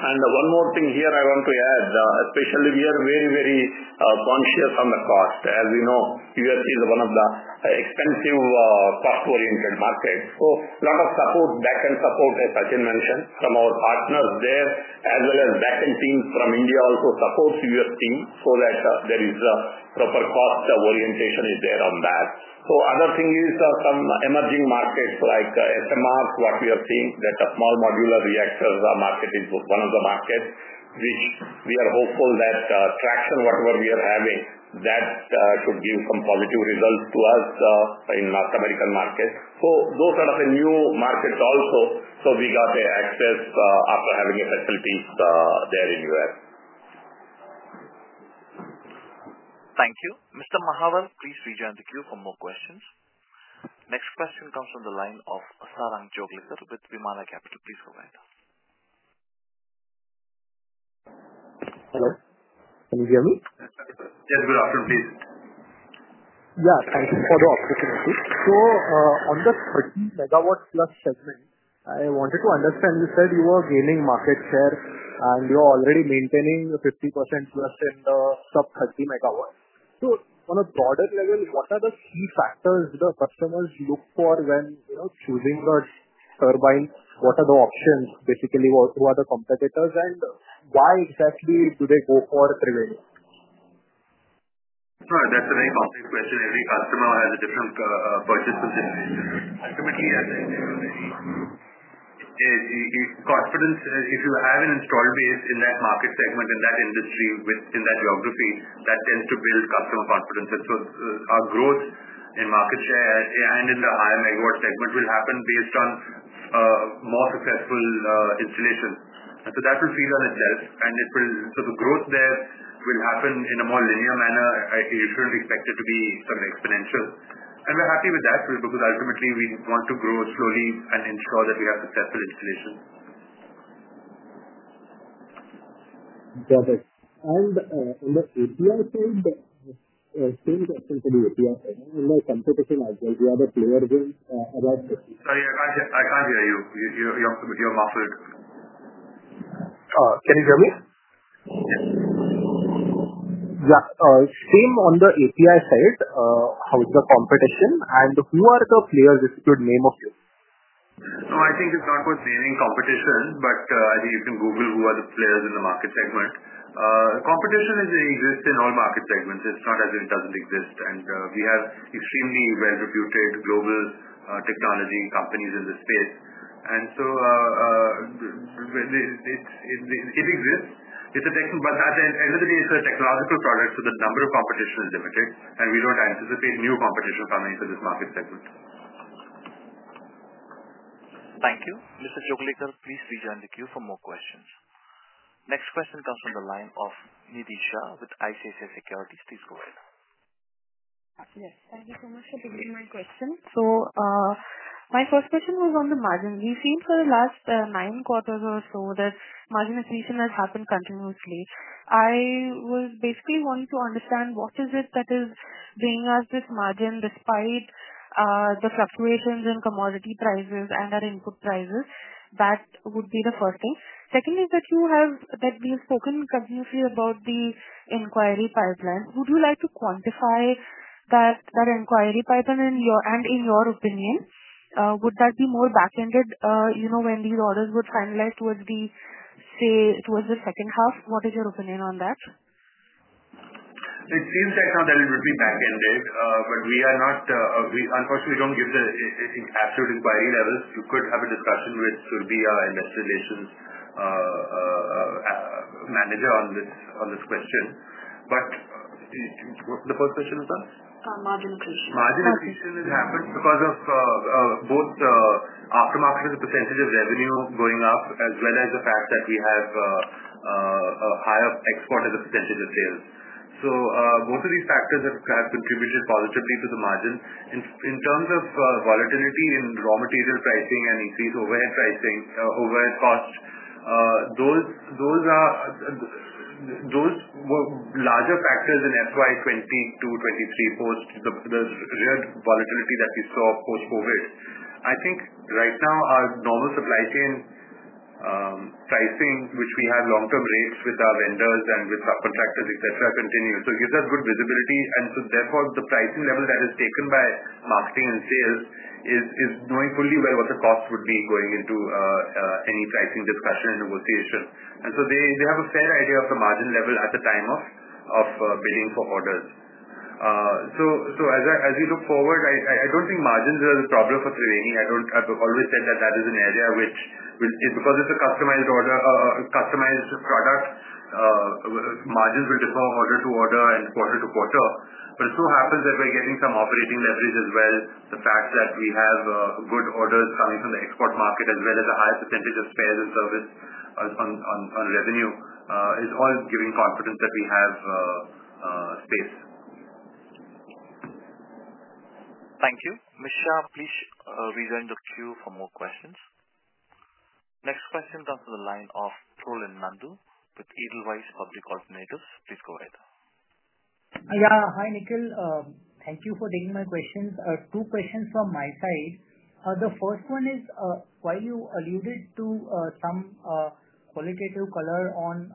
One more thing here I want to add, especially we are very, very conscious on the cost. As we know, U.S. is one of the expensive cost-oriented markets. A lot of support, back-end support, as Sachin mentioned, from our partners there, as well as back-end teams from India also supports U.S. team so that there is proper cost orientation is there on that. Other thing is some emerging markets like SMRs, what we are seeing is that a small modular reactor market is one of the markets, which we are hopeful that traction, whatever we are having, that should give some positive results to us in North American markets. Those are the new markets also. We got access after having the facilities there in the U.S.. Thank you. Mr. Mahawar, please rejoin the queue for more questions. Next question comes on the line of Sarang Joglekar with Vimana Capital. Please go ahead. Hello. Can you hear me? Yes. Good afternoon, please. Yeah. Thank you for the opportunity. On the 30 MW-plus segment, I wanted to understand, you said you were gaining market share and you are already maintaining 50% plus in the sub-30 MW. On a broader level, what are the key factors the customers look for when choosing the turbines? What are the options, basically? Who are the competitors and why exactly do they go for Triveni? Sure. That is a very complex question. Every customer has a different purchase position. Ultimately, confidence, if you have an installed base in that market segment, in that industry, in that geography, that tends to build customer confidence. Our growth in market share and in the higher MW segment will happen based on more successful installation. That will feed on itself. The growth there will happen in a more linear manner. You should not expect it to be sort of exponential. We are happy with that because ultimately we want to grow slowly and ensure that we have successful installation. Got it. On the API side, same question for the API side. In the competition, as well, we have a player in about. Sorry, I can't hear you. You're muffled. Can you hear me? Yeah. Same on the API side, how is the competition? And who are the players, if you could name a few? I think it's not worth naming competition, but you can Google who are the players in the market segment. Competition exists in all market segments. It's not as if it doesn't exist. We have extremely well-reputed global technology companies in the space, so it exists. At the end of the day, it's a technological product, so the number of competition is limited, and we don't anticipate new competition coming into this market segment. Thank you. Mr. Joglekar, please rejoin the queue for more questions. Next question comes on the line of Nidhi shah with ICSA Security. Please go ahead. Yes. Thank you so much for taking my question. So my first question was on the margin. We've seen for the last nine quarters or so that margin inflation has happened continuously. I was basically wanting to understand what is it that is bringing us this margin despite the fluctuations in commodity prices and our input prices. That would be the first thing. Second is that we have spoken continuously about the inquiry pipeline. Would you like to quantify that inquiry pipeline? In your opinion, would that be more back-ended when these orders would finalize towards the, say, towards the second half? What is your opinion on that? It seems like now that it would be back-ended, but we are not, unfortunately, we don't give the absolute inquiry levels. You could have a discussion with Surabhi, our investigations manager, on this question. The first question is done? Margin increase. Margin increase has happened because of both aftermarket as a percentage of revenue going up, as well as the fact that we have higher export as a percentage of sales. Both of these factors have contributed positively to the margin. In terms of volatility in raw material pricing and increased overhead costs, those were larger factors in FY 2022 FY 2023 post the real volatility that we saw post-COVID. I think right now our normal supply chain pricing, which we have long-term rates with our vendors and with subcontractors, etc., continues. It gives us good visibility. Therefore, the pricing level that is taken by marketing and sales is knowing fully well what the cost would be going into any pricing discussion and negotiation. They have a fair idea of the margin level at the time of bidding for orders. As we look forward, I do not think margins are the problem for Triveni. I have always said that that is an area which, because it is a customized product, margins will differ order to order and quarter to quarter. It so happens that we are getting some operating leverage as well. The fact that we have good orders coming from the export market, as well as a higher percentage of spares and service on revenue, is all giving confidence that we have space. Thank you. Misha, please rejoin the queue for more questions. Next question comes on the line of Trul and Nandu with Edelweiss Public Ordinators. Please go ahead. Yeah. Hi, Nikhil. Thank you for taking my questions. Two questions from my side. The first one is, while you alluded to some qualitative color on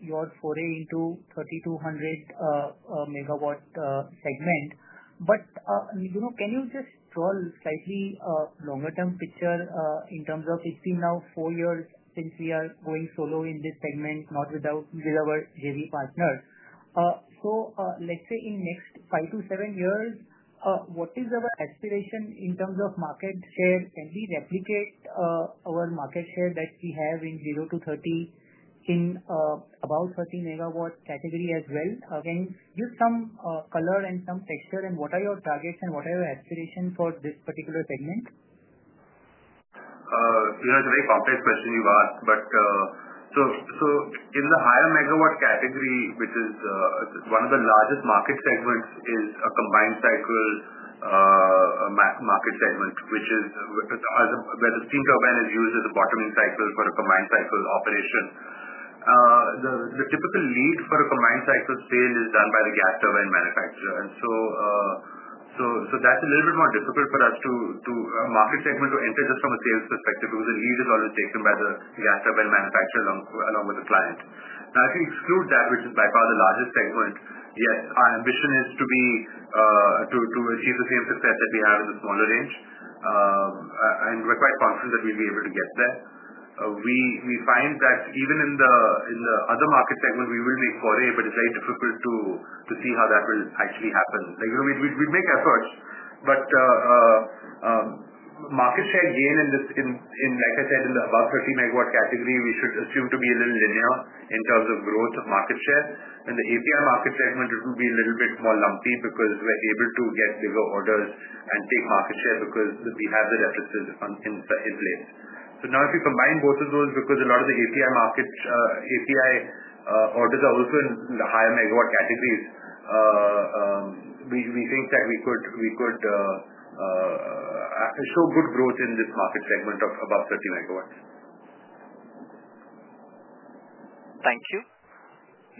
your foray into 3200 MW segment, but can you just draw a slightly longer-term picture in terms of it's been now four years since we are going solo in this segment, not without our JV partners? Let's say in next five to seven years, what is our aspiration in terms of market share? Can we replicate our market share that we have in 0 to 30 in about 30 MW category as well? Again, give some color and some texture. What are your targets and what are your aspirations for this particular segment? It's a very complex question you've asked. In the higher megawatt category, which is one of the largest market segments, is a combined cycle market segment, which is where the steam turbine is used as a bottoming cycle for a combined cycle operation. The typical lead for a combined cycle sale is done by the gas turbine manufacturer. That is a little bit more difficult for us, a market segment, to enter just from a sales perspective because the lead is always taken by the gas turbine manufacturer along with the client. Now, if you exclude that, which is by far the largest segment, yes, our ambition is to achieve the same success that we have in the smaller range. We are quite confident that we will be able to get there. We find that even in the other market segment, we will make foray, but it is very difficult to see how that will actually happen. We make efforts, but market share gain in, like I said, in the above 30 mMW category, we should assume to be a little linear in terms of growth of market share. In the API market segment, it will be a little bit more lumpy because we're able to get bigger orders and take market share because we have the references in place. Now, if you combine both of those because a lot of the API orders are also in the higher megawatt categories, we think that we could show good growth in this market segment of above 30 MW. Thank you.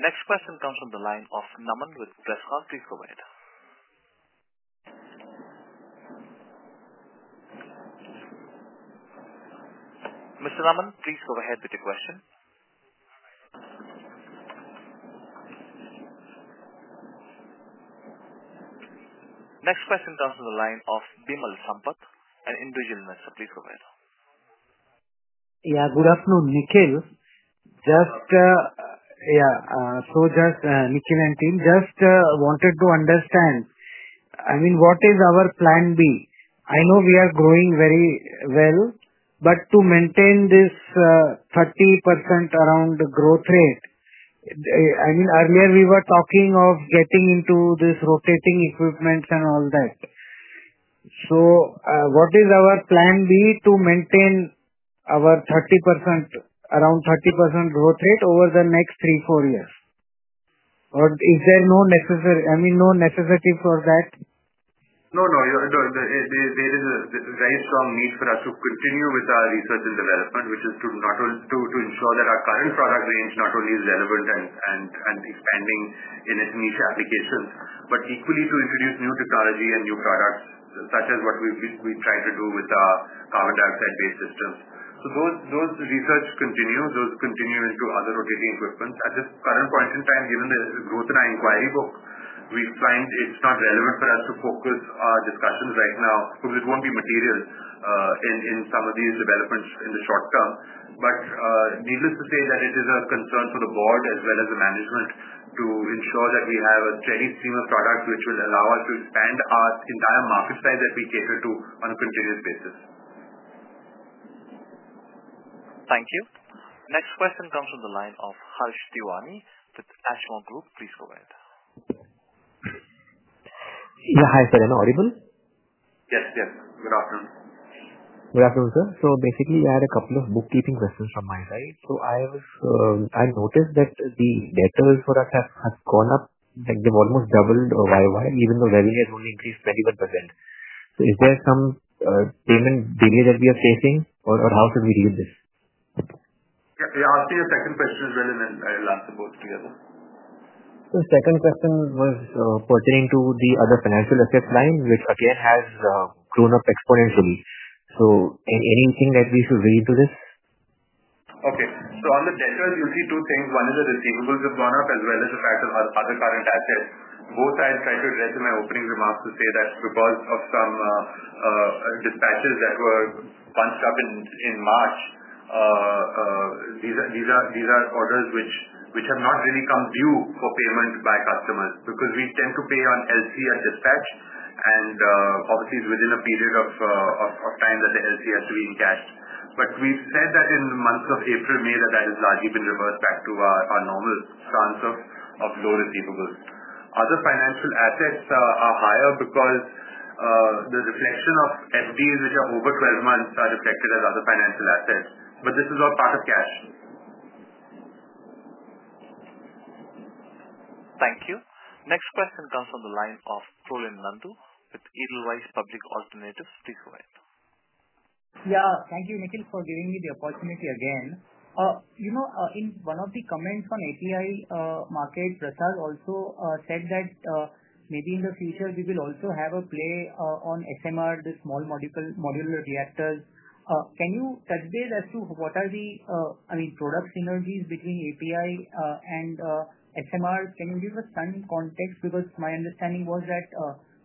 Next question comes on the line of Naman with Prescon. Please go ahead. Mr. Naman, please go ahead with your question. Next question comes on the line of Bimal Sampath and Indvijil Mesha. Please go ahead. Yeah. Good afternoon, Nikhil. Yeah. Nikhil and team, just wanted to understand, I mean, what is our plan B? I know we are growing very well, but to maintain this 30% around growth rate, I mean, earlier we were talking of getting into this rotating equipment and all that. What is our plan B to maintain our 30%, around 30% growth rate over the next three, four years? Or is there no necessary, I mean, no necessity for that? No, no. There is a very strong need for us to continue with our research and development, which is to ensure that our current product range not only is relevant and expanding in its niche applications, but equally to introduce new technology and new products, such as what we try to do with our carbon dioxide-based systems. Those research continue. Those continue into other rotating equipments. At this current point in time, given the growth in our inquiry book, we find it's not relevant for us to focus our discussions right now because it won't be material in some of these developments in the short term. Needless to say that it is a concern for the board as well as the management to ensure that we have a steady stream of products which will allow us to expand our entire market size that we cater to on a continuous basis. Thank you. Next question comes on the line of Harsh Tewaney with Ashmore Group. Please go ahead. Yeah. Hi, sir. Am I audible? Yes, yes. Good afternoon. Good afternoon, sir. Basically, I had a couple of bookkeeping questions from my side. I noticed that the debtors for us have gone up. They've almost doubled year over year, even though revenue has only increased 21%. Is there some payment delay that we are facing, or how should we deal with this? Yeah. Ask me the second question as well, and then I'll answer both together. The second question was pertaining to the other financial assets line, which again has grown up exponentially. Anything that we should bring into this? Okay. On the debtors, you'll see two things. One is the receivables have gone up, as well as the fact of other current assets. Both sides I tried to address in my opening remarks to say that because of some dispatches that were bunched up in March, these are orders which have not really come due for payment by customers because we tend to pay on LC at dispatch, and obviously, it's within a period of time that the LC has to be in cash. We have said that in the months of April, May, that has largely been reversed back to our normal stance of low receivables. Other financial assets are higher because the reflection of FDs, which are over 12 months, are reflected as other financial assets. This is all part of cash. Thank you. Next question comes on the line of Trul and Nandu with Edelweiss Public Alternatives. Please go ahead. Yeah. Thank you, Nikhil, for giving me the opportunity again. In one of the comments on API market, Prescal also said that maybe in the future, we will also have a play on SMR, the small modular reactors. Can you touch base as to what are the, I mean, product synergies between API and SMR? Can you give us some context? Because my understanding was that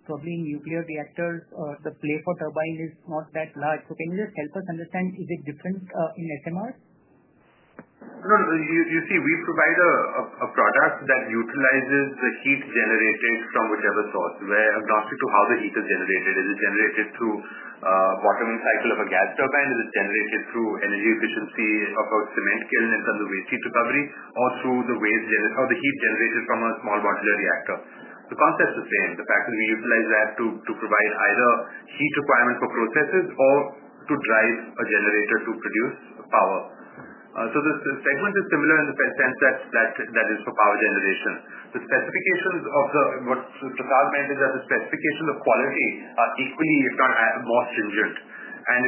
probably in nuclear reactors, the play for turbine is not that large. Can you just help us understand, is it different in SMR? No, no. You see, we provide a product that utilizes the heat generated from whichever source. We're agnostic to how the heat is generated. Is it generated through bottoming cycle of a gas turbine? Is it generated through energy efficiency of a cement kiln and some of the waste heat recovery, or through the heat generated from a small modular reactor? The concept's the same. The fact is we utilize that to provide either heat requirement for processes or to drive a generator to produce power. The segment is similar in the sense that that is for power generation. The specifications of the Prescal mentions that the specifications of quality are equally, if not most stringent. That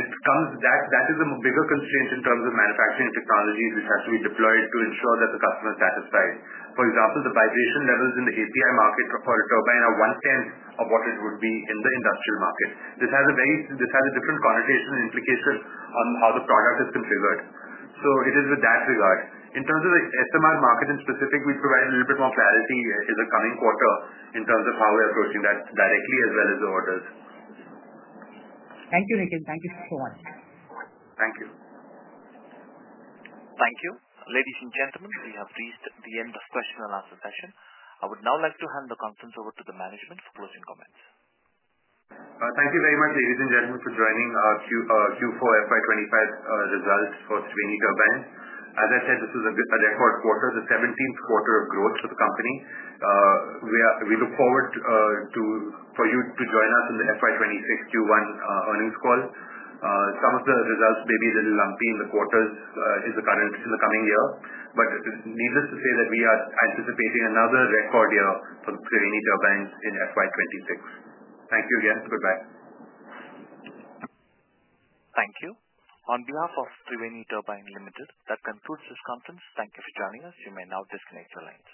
is a bigger constraint in terms of manufacturing technologies which has to be deployed to ensure that the customer is satisfied. For example, the vibration levels in the API market for a turbine are one-tenth of what it would be in the industrial market. This has a different connotation and implication on how the product is configured. It is with that regard. In terms of the SMR market in specific, we'd provide a little bit more clarity in the coming quarter in terms of how we're approaching that directly as well as the orders. Thank you, Nikhil. Thank you so much. Thank you. Thank you. Ladies and gentlemen, we have reached the end of question and answer session. I would now like to hand the conference over to the management for closing comments. Thank you very much, ladies and gentlemen, for joining our Q4 FY 2025 results for Triveni Turbine. As I said, this is a record quarter, the 17th quarter of growth for the company. We look forward to you joining us in the FY 2026 Q1 earnings call. Some of the results may be a little lumpy in the quarters in the coming year. Needless to say that we are anticipating another record year for Triveni Turbine in FY26. Thank you again. Goodbye. Thank you. On behalf of Triveni Turbine Limited, that concludes this conference. Thank you for joining us. You may now disconnect your lines.